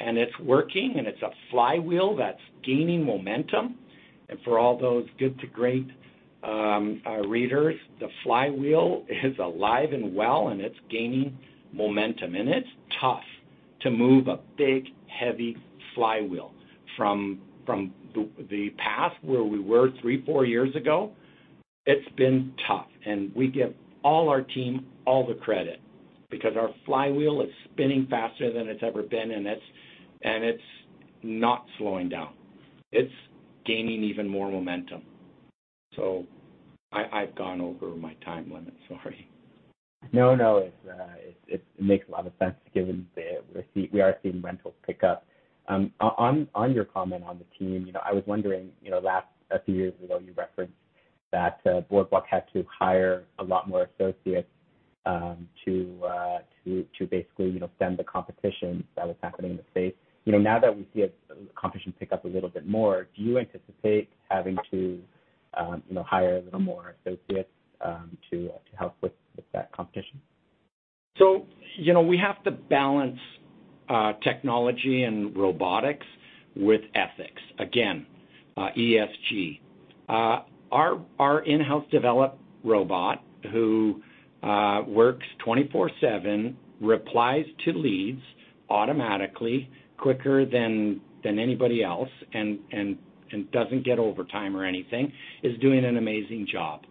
and it's working, and it's a flywheel that's gaining momentum. For all those Good to Great readers, the flywheel is alive and well, and it's gaining momentum. It's tough to move a big, heavy flywheel. From the past where we were three, four years ago, it's been tough. We give all our team all the credit because our flywheel is spinning faster than it's ever been, and it's not slowing down. It's gaining even more momentum. I've gone over my time limit. Sorry. It makes a lot of sense given we are seeing rental pickup. On your comment on the team, I was wondering, a few years ago, you referenced that Boardwalk had to hire a lot more associates to basically stem the competition that was happening in the space. Now that we see competition pick up a little bit more, do you anticipate having to hire a little more associates to help with that competition? We have to balance technology and robotics with ethics. Again, ESG. Our in-house developed robot, who works 24/7, replies to leads automatically, quicker than anybody else, and doesn't get overtime or anything, is doing an amazing job.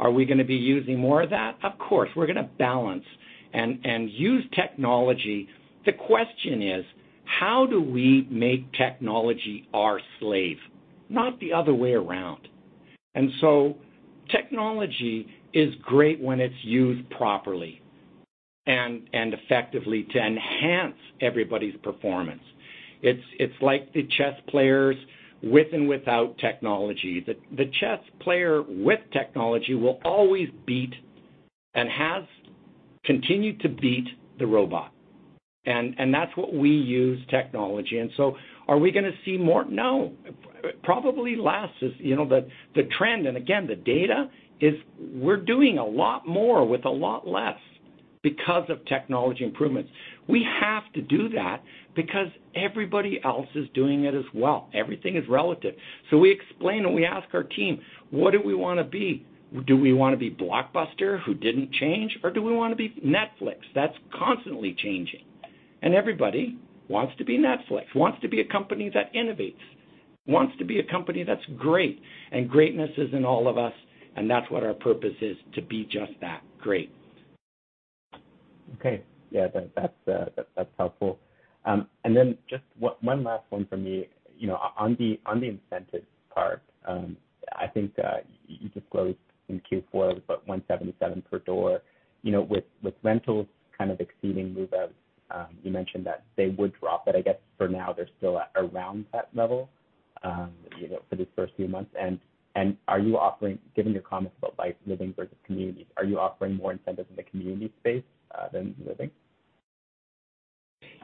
Are we going to be using more of that? Of course, we're going to balance and use technology. The question is: how do we make technology our slave, not the other way around? Technology is great when it's used properly and effectively to enhance everybody's performance. It's like the chess players with and without technology. The chess player with technology will always beat, and has continued to beat, the robot. That's what we use technology. Are we going to see more? No. Probably less. The trend, and again, the data, is we're doing a lot more with a lot less because of technology improvements. We have to do that because everybody else is doing it as well. Everything is relative. We explain and we ask our team, what do we want to be? Do we want to be Blockbuster, who didn't change? Or do we want to be Netflix, that's constantly changing? Everybody wants to be Netflix, wants to be a company that innovates. Wants to be a company that's great. Greatness is in all of us, and that's what our purpose is, to be just that, great. Okay. Yeah. That's helpful. Then just one last one from me. On the incentives part, I think you disclosed in Q4 about 177 per door. With rentals kind of exceeding move-outs, you mentioned that they would drop, but I guess for now, they're still at around that level for the first few months. Given your comments about Living versus Communities, are you offering more incentives in the community space than living?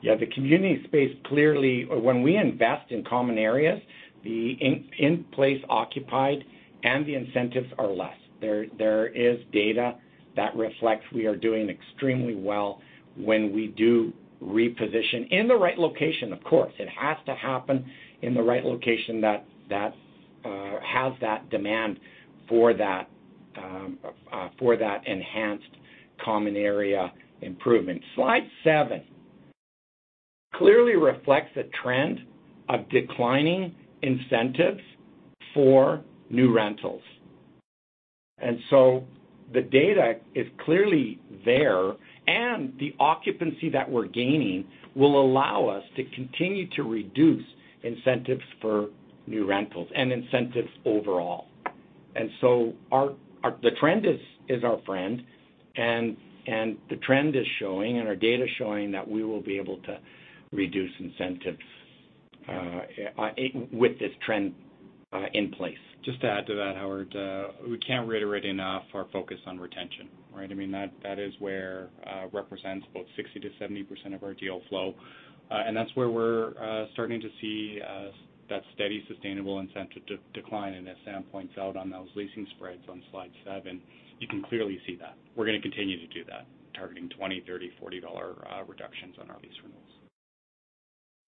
Yeah, the community space clearly. When we invest in common areas, the in-place occupied and the incentives are less. There is data that reflects we are doing extremely well when we do reposition, in the right location, of course. It has to happen in the right location that has that demand for that enhanced common area improvement. Slide seven clearly reflects a trend of declining incentives for new rentals. The data is clearly there, and the occupancy that we're gaining will allow us to continue to reduce incentives for new rentals and incentives overall. The trend is our friend, and the trend is showing, and our data's showing, that we will be able to reduce incentives with this trend in place. Just to add to that, Howard, we can't reiterate enough our focus on retention, right? That is where represents about 60%-70% of our deal flow. That's where we're starting to see that steady, sustainable incentive decline. As Sam points out on those leasing spreads on slide seven, you can clearly see that. We're going to continue to do that, targeting 20, 30, 40 dollar reductions on our lease renewals.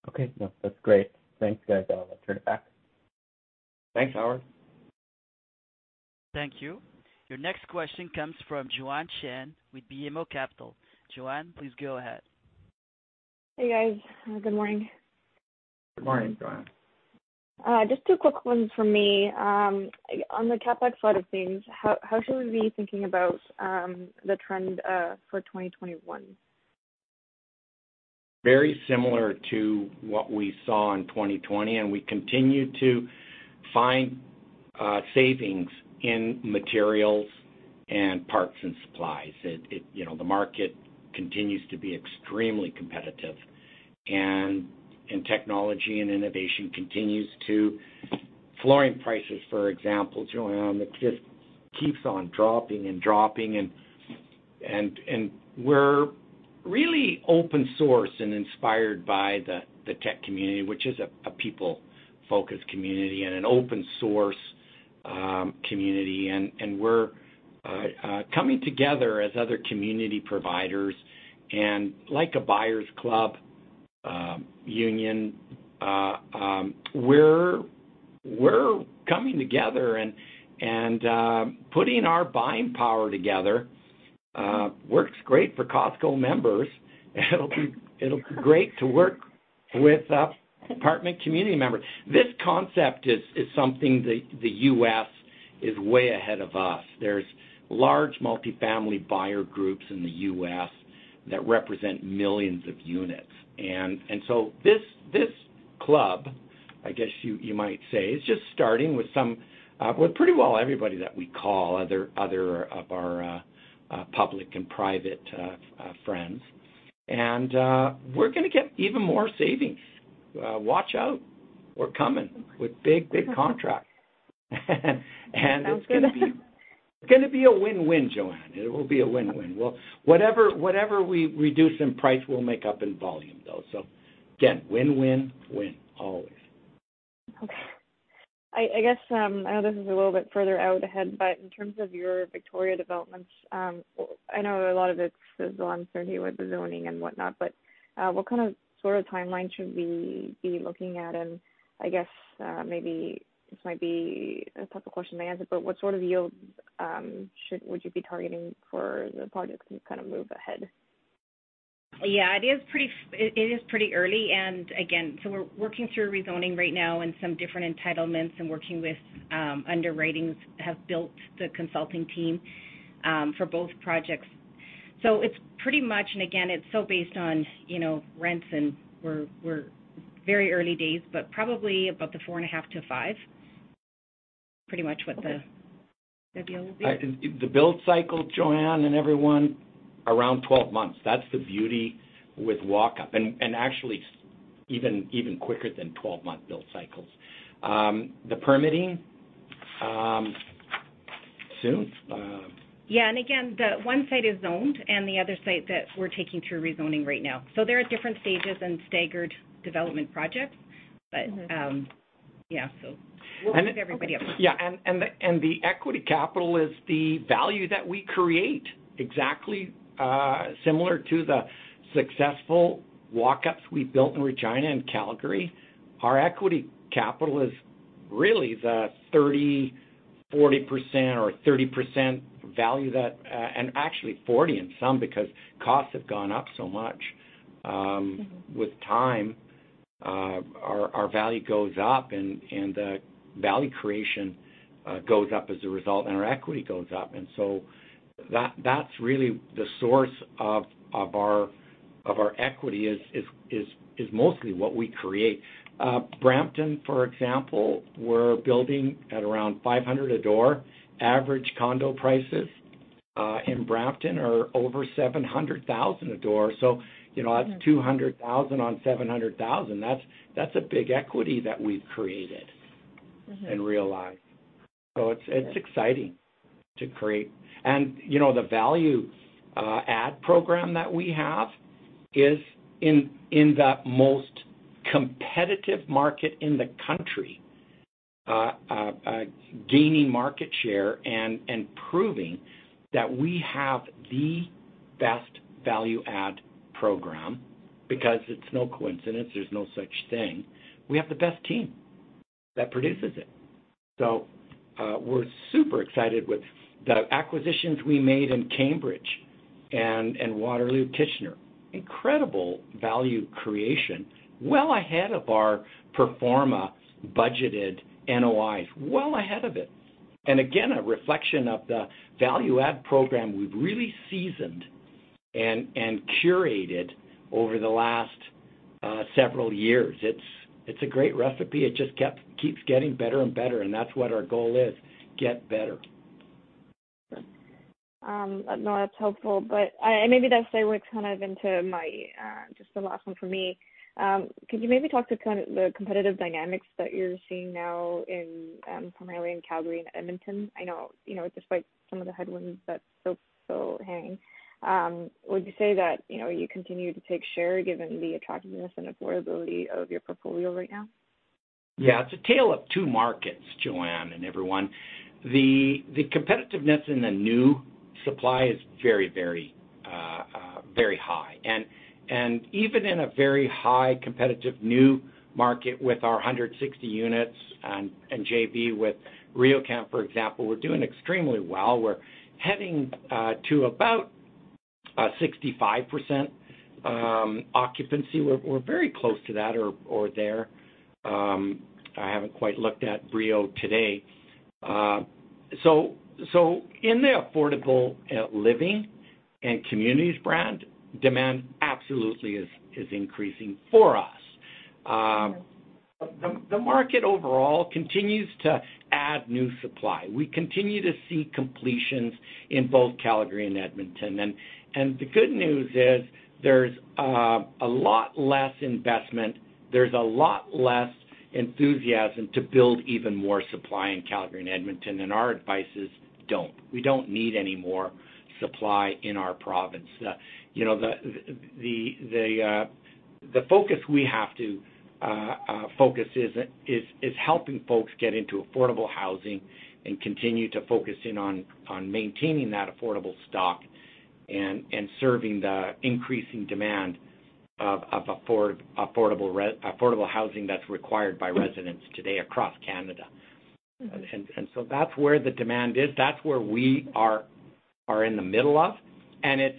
Okay. No, that's great. Thanks, guys. I'll turn it back. Thanks, Howard. Thank you. Your next question comes from Joanne Chen with BMO Capital. Jonathan, please go ahead. Hey, guys. Good morning. Good morning, Joanne. Just two quick ones from me. On the CapEx side of things, how should we be thinking about the trend for 2021? Very similar to what we saw in 2020, we continue to find savings in materials and parts and supplies. The market continues to be extremely competitive, technology and innovation continues too. Flooring prices, for example, Joanne, it just keeps on dropping and dropping. We're really open source and inspired by the tech community, which is a people-focused community and an open-source community. We're coming together as other community providers and like a buyer's club union. We're coming together and putting our buying power together. Works great for [Costco] members. It'll be great to work with apartment community members. This concept is something that the U.S. is way ahead of us. There's large multifamily buyer groups in the U.S. that represent millions of units. This club, I guess you might say, is just starting with pretty well everybody that we call, other of our public and private friends. We're going to get even more savings. Watch out. We're coming with big, big contracts. Sounds good. It's going to be a win-win, Joanne. It will be a win-win. Whatever we reduce in price, we'll make up in volume, though. Again, win-win, always. Okay. I guess, I know this is a little bit further out ahead, but in terms of your Victoria developments, I know a lot of it is the uncertainty with the zoning and whatnot, but what sort of timeline should we be looking at? I guess maybe this might be a tough question to answer, but what sort of yields would you be targeting for the project to kind of move ahead? Yeah. It is pretty early. We're working through rezoning right now and some different entitlements and working with underwritings, have built the consulting team for both projects. It's pretty much, and again, it's so based on rents and we're very early days, but probably about the four and a half to five. Pretty much what the deal will be. The build cycle, Joanne, and everyone, around 12 months. That's the beauty with walk-up, and actually even quicker than 12-month build cycles. The permitting? Yeah. Again, the one site is zoned and the other site that we're taking through rezoning right now. They're at different stages and staggered development projects. Yeah. We'll keep everybody updated. Yeah. The equity capital is the value that we create. Exactly similar to the successful walk-ups we built in Regina and Calgary. Our equity capital is really the 30%, 40% or 30% value, and actually 40% in some because costs have gone up so much. With time, our value goes up, and the value creation goes up as a result, and our equity goes up. That's really the source of our equity is mostly what we create. Brampton, for example, we're building at around 500 a door. Average condo prices in Brampton are over 700,000 a door. That's 200,000 on 700,000. That's a big equity that we've created and realized. It's exciting to create. The value add program that we have is in the most competitive market in the country. Gaining market share and proving that we have the best value add program because it's no coincidence. There's no such thing. We have the best team that produces it. We're super excited with the acquisitions we made in Cambridge and Waterloo, Kitchener. Incredible value creation. Well ahead of our pro forma budgeted NOIs. Well ahead of it. Again, a reflection of the value add program we've really seasoned and curated over the last several years. It's a great recipe. It just keeps getting better and better, and that's what our goal is, get better. No, that's helpful. Maybe that segues kind of into just the last one from me. Could you maybe talk to kind of the competitive dynamics that you're seeing now primarily in Calgary and Edmonton? I know despite some of the headwinds that still hang. Would you say that you continue to take share given the attractiveness and affordability of your portfolio right now? Yeah. It's a tale of two markets, Joanne, and everyone. The competitiveness in the new supply is very high. Even in a very high competitive new market with our 160 units and JV with RioCan, for example, we're doing extremely well. We're heading to about 65% occupancy. We're very close to that or there. I haven't quite looked at Rio today. In that affordable Living and Communities brand, demand absolutely is increasing for us. The market overall continues to add new supply. We continue to see completions in both Calgary and Edmonton. The good news is there's a lot less investment. There's a lot less enthusiasm to build even more supply in Calgary and Edmonton. Our advice is don't. We don't need any more supply in our province. The focus we have to focus is helping folks get into affordable housing and continue to focus in on maintaining that affordable stock and serving the increasing demand of affordable housing that's required by residents today across Canada. That's where the demand is. That's where we are in the middle of, and it's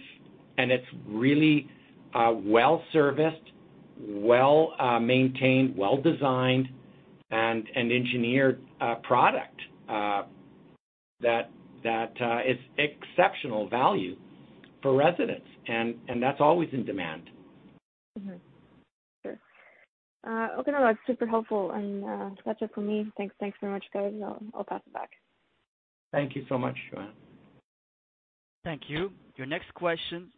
really a well-serviced, well-maintained, well-designed, and engineered product that is exceptional value for residents. That's always in demand. Sure. Okay. No, that's super helpful. That's it for me. Thanks very much, guys. I'll pass it back. Thank you so much, Joanne. Thank you. Your next question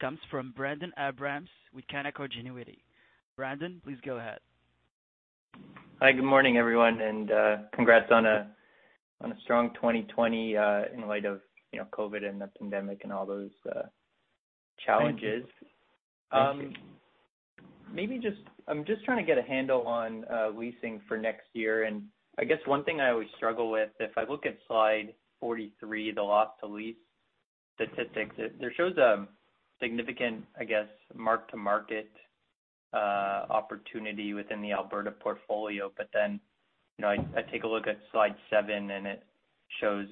comes from Brendon Abrams with Canaccord Genuity. Brendon, please go ahead. Hi. Good morning, everyone, and congrats on a strong 2020 in light of COVID and the pandemic and all those challenges. Thank you. I'm just trying to get a handle on leasing for next year, and I guess one thing I always struggle with, if I look at slide 43, the loss to lease statistics, there shows a significant, I guess, mark-to-market opportunity within the Alberta portfolio. I take a look at slide seven, and it shows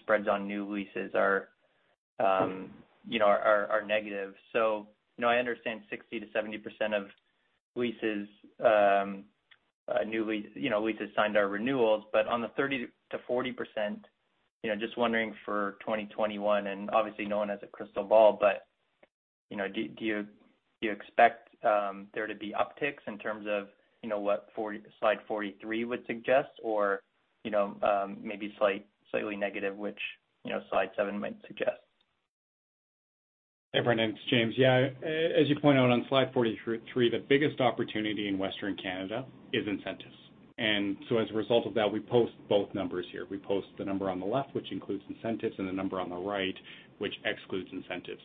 spreads on new leases are negative. I understand 60%-70% of leases signed are renewals. On the 30%-40%, just wondering for 2021, and obviously no one has a crystal ball, do you expect there to be upticks in terms of what slide 43 would suggest, or maybe slightly negative, which slide seven might suggest? Hey, Brendon. It's James. As you point out on slide 43, the biggest opportunity in Western Canada is incentives. As a result of that, we post both numbers here. We post the number on the left, which includes incentives, and the number on the right, which excludes incentives.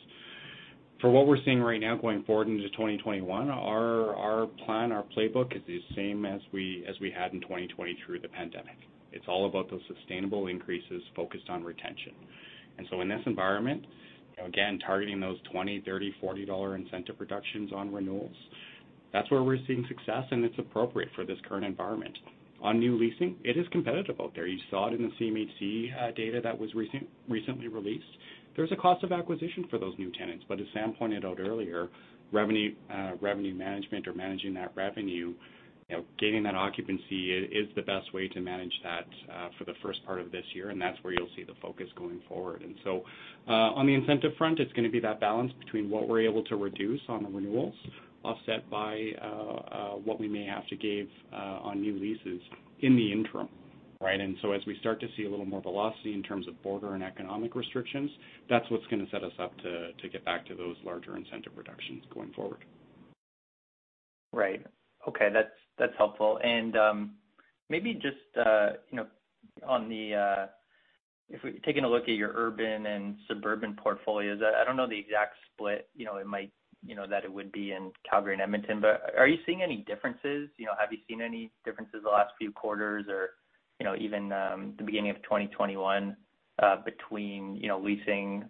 For what we're seeing right now going forward into 2021, our plan, our playbook, is the same as we had in 2020 through the pandemic. It's all about those sustainable increases focused on retention. In this environment, again, targeting those 20, 30, 40 dollar incentive reductions on renewals, that's where we're seeing success, and it's appropriate for this current environment. On new leasing, it is competitive out there. You saw it in the CMHC data that was recently released. There's a cost of acquisition for those new tenants, as Sam pointed out earlier, revenue management or managing that revenue, gaining that occupancy is the best way to manage that for the first part of this year, and that's where you'll see the focus going forward. On the incentive front, it's going to be that balance between what we're able to reduce on the renewals offset by what we may have to give on new leases in the interim. Right? As we start to see a little more velocity in terms of border and economic restrictions, that's what's going to set us up to get back to those larger incentive reductions going forward. Right. Okay. That's helpful. Maybe just taking a look at your urban and suburban portfolios, I don't know the exact split that it would be in Calgary and Edmonton, but are you seeing any differences? Have you seen any differences the last few quarters or even the beginning of 2021 between leasing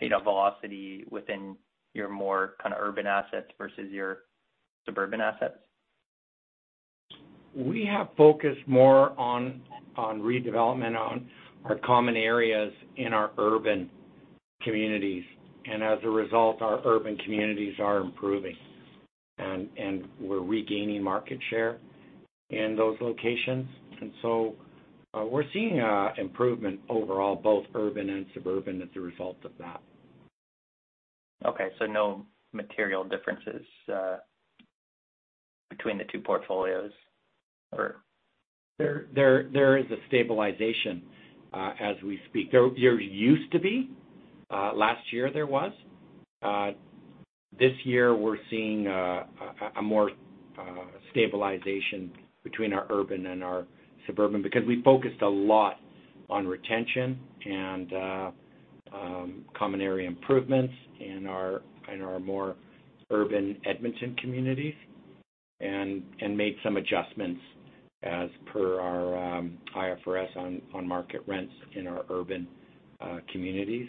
velocity within your more kind of urban assets versus your suburban assets? We have focused more on redevelopment on our common areas in our urban communities. As a result, our urban communities are improving, and we're regaining market share in those locations. We're seeing improvement overall, both urban and suburban, as a result of that. Okay, no material differences between the two portfolios, or? There is a stabilization as we speak. There used to be. Last year, there was. This year, we're seeing more stabilization between our urban and our suburban because we focused a lot on retention and common area improvements in our more urban Edmonton communities and made some adjustments as per our IFRS on market rents in our urban communities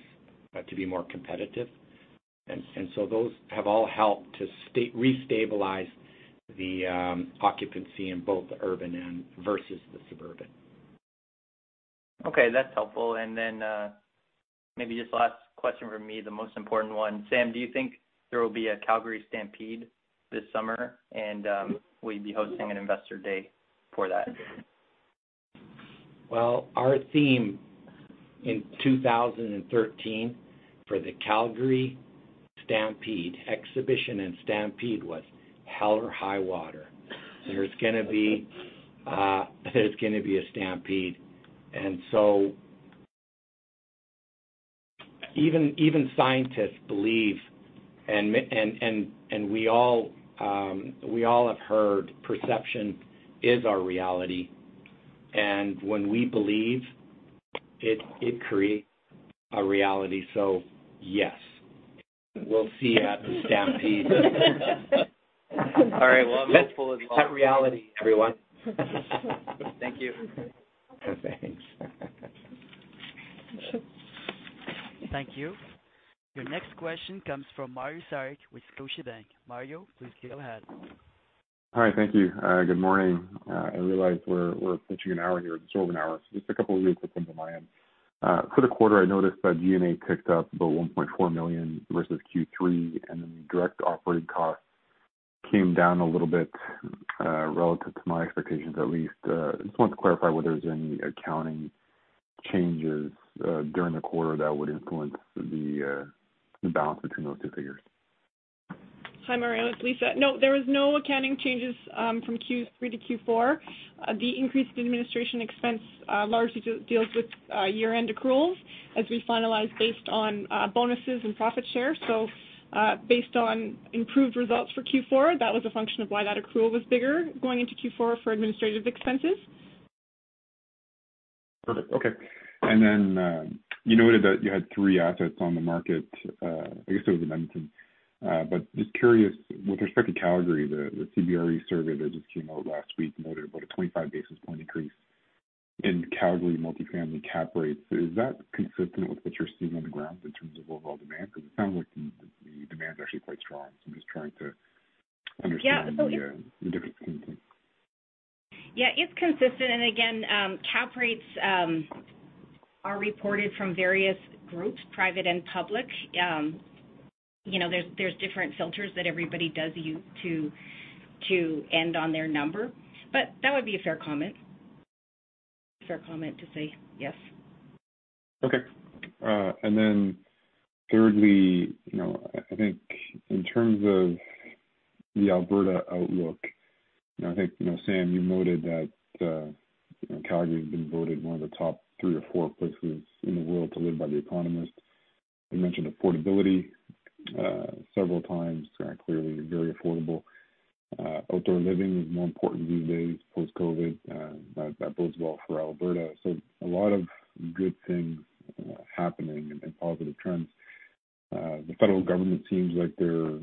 to be more competitive. Those have all helped to re-stabilize the occupancy in both the urban and versus the suburban. Okay, that's helpful. Maybe just last question from me, the most important one. Sam, do you think there will be a Calgary Stampede this summer? Will you be hosting an investor day for that? Well, our theme in 2013 for the Calgary Stampede, Exhibition and Stampede was Hell or High Water. There's going to be a Stampede. Even scientists believe, and we all have heard perception is our reality. When we believe, it creates a reality. Yes. We'll see you at the Stampede. All right. Well, I'm hopeful as well. That's reality, everyone. Thank you. Thanks. Thank you. Your next question comes from Mario Saric with Scotiabank. Mario, please go ahead. Hi. Thank you. Good morning. I realize we're approaching an hour here, just over an hour, so just two really quick ones on my end. For the quarter, I noticed that G&A ticked up about 1.4 million versus Q3, and then the direct operating costs came down a little bit, relative to my expectations at least. I just wanted to clarify whether there's any accounting changes during the quarter that would influence the balance between those two figures. Hi, Mario. It's Lisa. There was no accounting changes from Q3 to Q4. The increase in administration expense largely deals with year-end accruals as we finalize based on bonuses and profit share. Based on improved results for Q4, that was a function of why that accrual was bigger going into Q4 for administrative expenses. Perfect. Okay. You noted that you had three assets on the market. I guess it was in Edmonton. Just curious, with respect to Calgary, the CBRE survey that just came out last week noted about a 25 basis point increase in Calgary multifamily cap rates. Is that consistent with what you're seeing on the ground in terms of overall demand? It sounds like the demand's actually quite strong. I'm just trying to understand- Yeah. the difference. Yeah, it's consistent. Again, cap rates are reported from various groups, private and public. There's different filters that everybody does use to end on their number. That would be a fair comment. It's our comment to say yes. Okay. Then thirdly, I think in terms of the Alberta outlook, I think, Sam, you noted that Calgary has been voted one of the top three or four places in the world to live by The Economist. You mentioned affordability several times. Clearly very affordable. Outdoor living is more important these days post-COVID. That bodes well for Alberta. A lot of good things happening and positive trends. The federal government seems like they're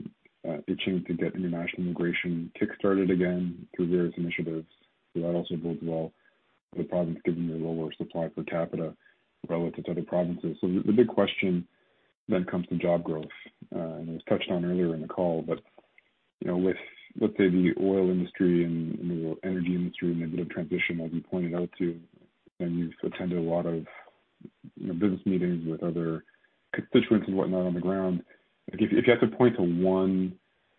itching to get international immigration kick-started again through various initiatives. That also bodes well for the province, given the lower supply per capita relative to other provinces. The big question then comes to job growth, and it was touched on earlier in the call. With, let's say, the oil industry and the energy industry and the bit of transition, as you pointed out, too, Sam, you've attended a lot of business meetings with other constituents and whatnot on the ground. If you had to point to one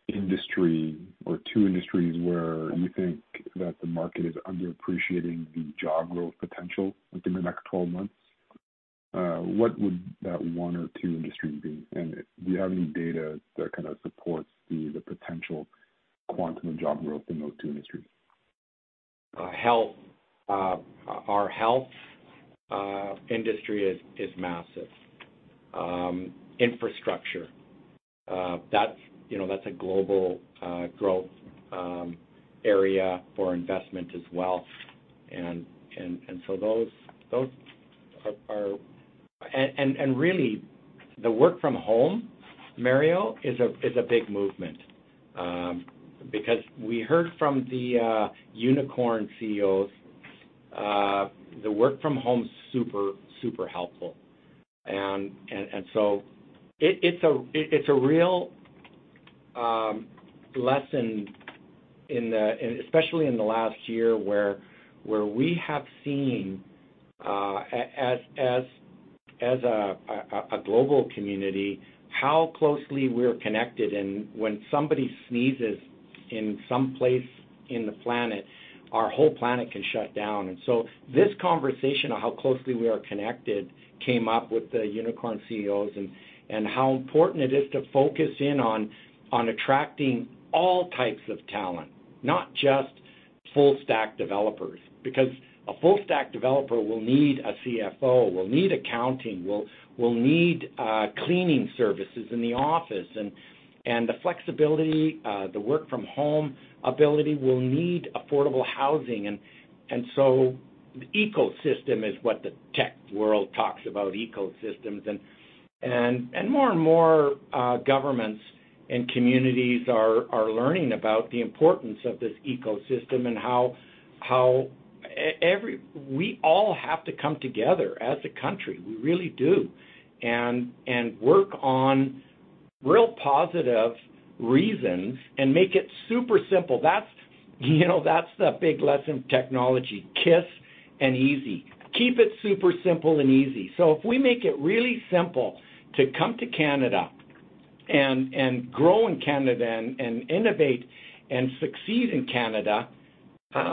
industry or two industries where you think that the market is underappreciating the job growth potential within the next 12 months, what would that one or two industries be? Do you have any data that kind of supports the potential quantum of job growth in those two industries? Our health industry is massive. Infrastructure, that's a global growth area for investment as well. Really, the work from home, Mario, is a big movement because we heard from the unicorn CEOs the work from home super helpful. It's a real lesson, especially in the last year, where we have seen, as a global community, how closely we're connected. When somebody sneezes in some place in the planet, our whole planet can shut down. This conversation of how closely we are connected came up with the unicorn CEOs and how important it is to focus in on attracting all types of talent, not just full stack developers because a full stack developer will need a CFO, will need accounting, will need cleaning services in the office. The flexibility, the work from home ability will need affordable housing. The ecosystem is what the tech world talks about, ecosystems. More and more governments and communities are learning about the importance of this ecosystem and how we all have to come together as a country. We really do. Work on real positive reasons and make it super simple. That's the big lesson of technology. KISS and easy. Keep it super simple and easy. If we make it really simple to come to Canada and grow in Canada and innovate and succeed in Canada,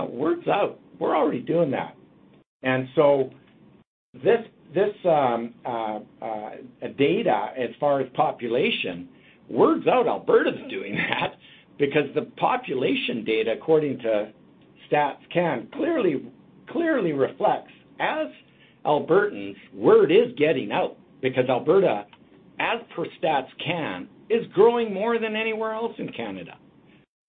word's out. We're already doing that. This data as far as population, word's out Alberta's doing that because the population data, according to StatCan, clearly reflects as Albertans, word is getting out because Alberta, as per StatCan, is growing more than anywhere else in Canada.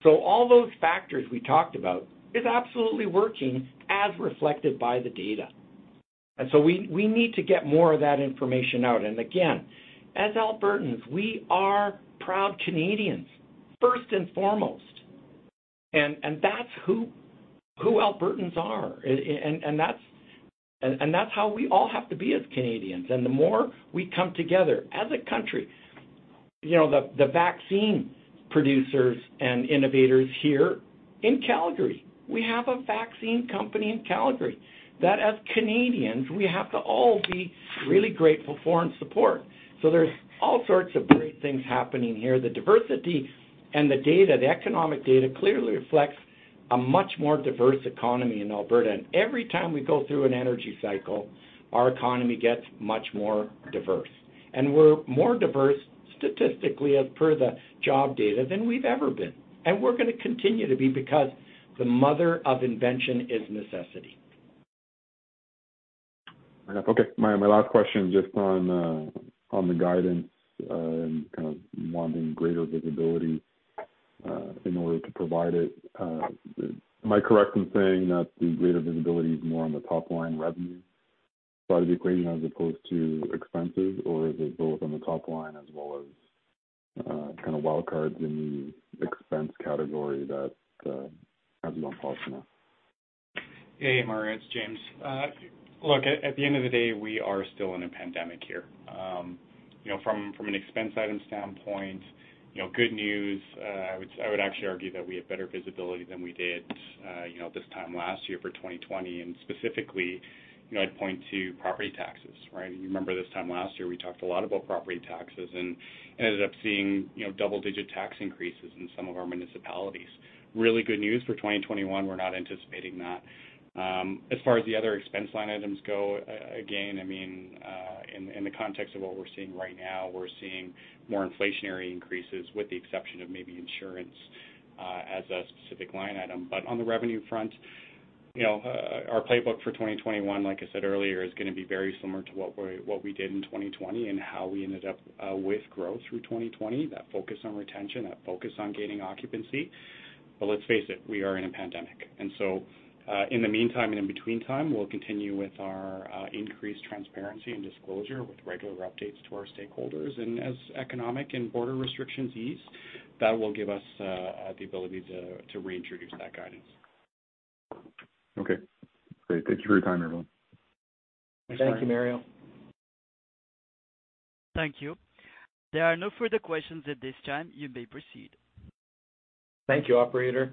All those factors we talked about is absolutely working as reflected by the data. We need to get more of that information out. Again, as Albertans, we are proud Canadians first and foremost. That's who Albertans are. That's how we all have to be as Canadians. The more we come together as a country. The vaccine producers and innovators here in Calgary. We have a vaccine company in Calgary that as Canadians, we have to all be really grateful for and support. There's all sorts of great things happening here. The diversity and the data, the economic data clearly reflects a much more diverse economy in Alberta. Every time we go through an energy cycle, our economy gets much more diverse. We're more diverse statistically as per the job data than we've ever been. We're going to continue to be because the mother of invention is necessity. Okay. My last question just on the guidance and kind of wanting greater visibility in order to provide it. Am I correct in saying that the greater visibility is more on the top-line revenue side of the equation as opposed to expenses? Or is it both on the top line as well as kind of wild cards in the expense category that has you on pause now? Hey, Mario, it's James. Look, at the end of the day, we are still in a pandemic here. From an expense item standpoint, good news, I would actually argue that we have better visibility than we did this time last year for 2020. Specifically, I'd point to property taxes, right? You remember this time last year, we talked a lot about property taxes and ended up seeing double-digit tax increases in some of our municipalities. Really good news for 2021, we're not anticipating that. As far as the other expense line items go, again, in the context of what we're seeing right now, we're seeing more inflationary increases, with the exception of maybe insurance as a specific line item. On the revenue front, our playbook for 2021, like I said earlier, is going to be very similar to what we did in 2020 and how we ended up with growth through 2020. That focus on retention, that focus on gaining occupancy. Let's face it, we are in a pandemic, so in the meantime and in between time, we'll continue with our increased transparency and disclosure with regular updates to our stakeholders. As economic and border restrictions ease, that will give us the ability to reintroduce that guidance. Okay, great. Thank you for your time, everyone. Thanks, Mario. Thank you, Mario. Thank you. There are no further questions at this time. You may proceed. Thank you, operator.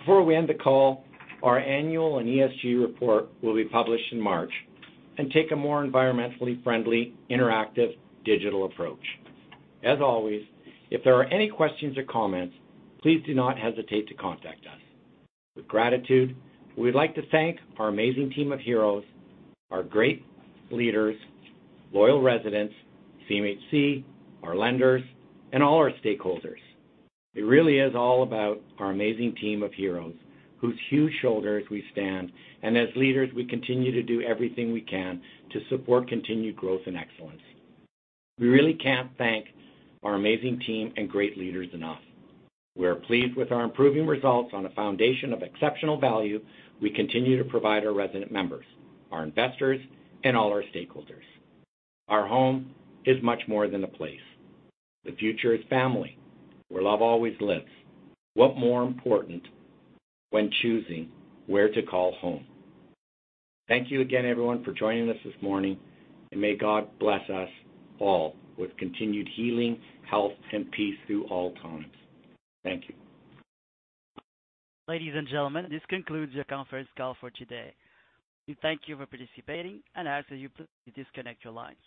Before we end the call, our annual and ESG report will be published in March and take a more environmentally friendly, interactive digital approach. As always, if there are any questions or comments, please do not hesitate to contact us. With gratitude, we'd like to thank our amazing team of heroes, our great leaders, loyal residents, CMHC, our lenders, and all our stakeholders. It really is all about our amazing team of heroes whose huge shoulders we stand on. As leaders, we continue to do everything we can to support continued growth and excellence. We really can't thank our amazing team and great leaders enough. We are pleased with our improving results on a foundation of exceptional value we continue to provide our resident members, our investors, and all our stakeholders. Our home is much more than a place. The future is family, where love always lives. What's more important when choosing where to call home? Thank you again, everyone, for joining us this morning, and may God bless us all with continued healing, health, and peace through all times. Thank you. Ladies and gentlemen, this concludes your conference call for today. We thank you for participating and ask that you please disconnect your lines.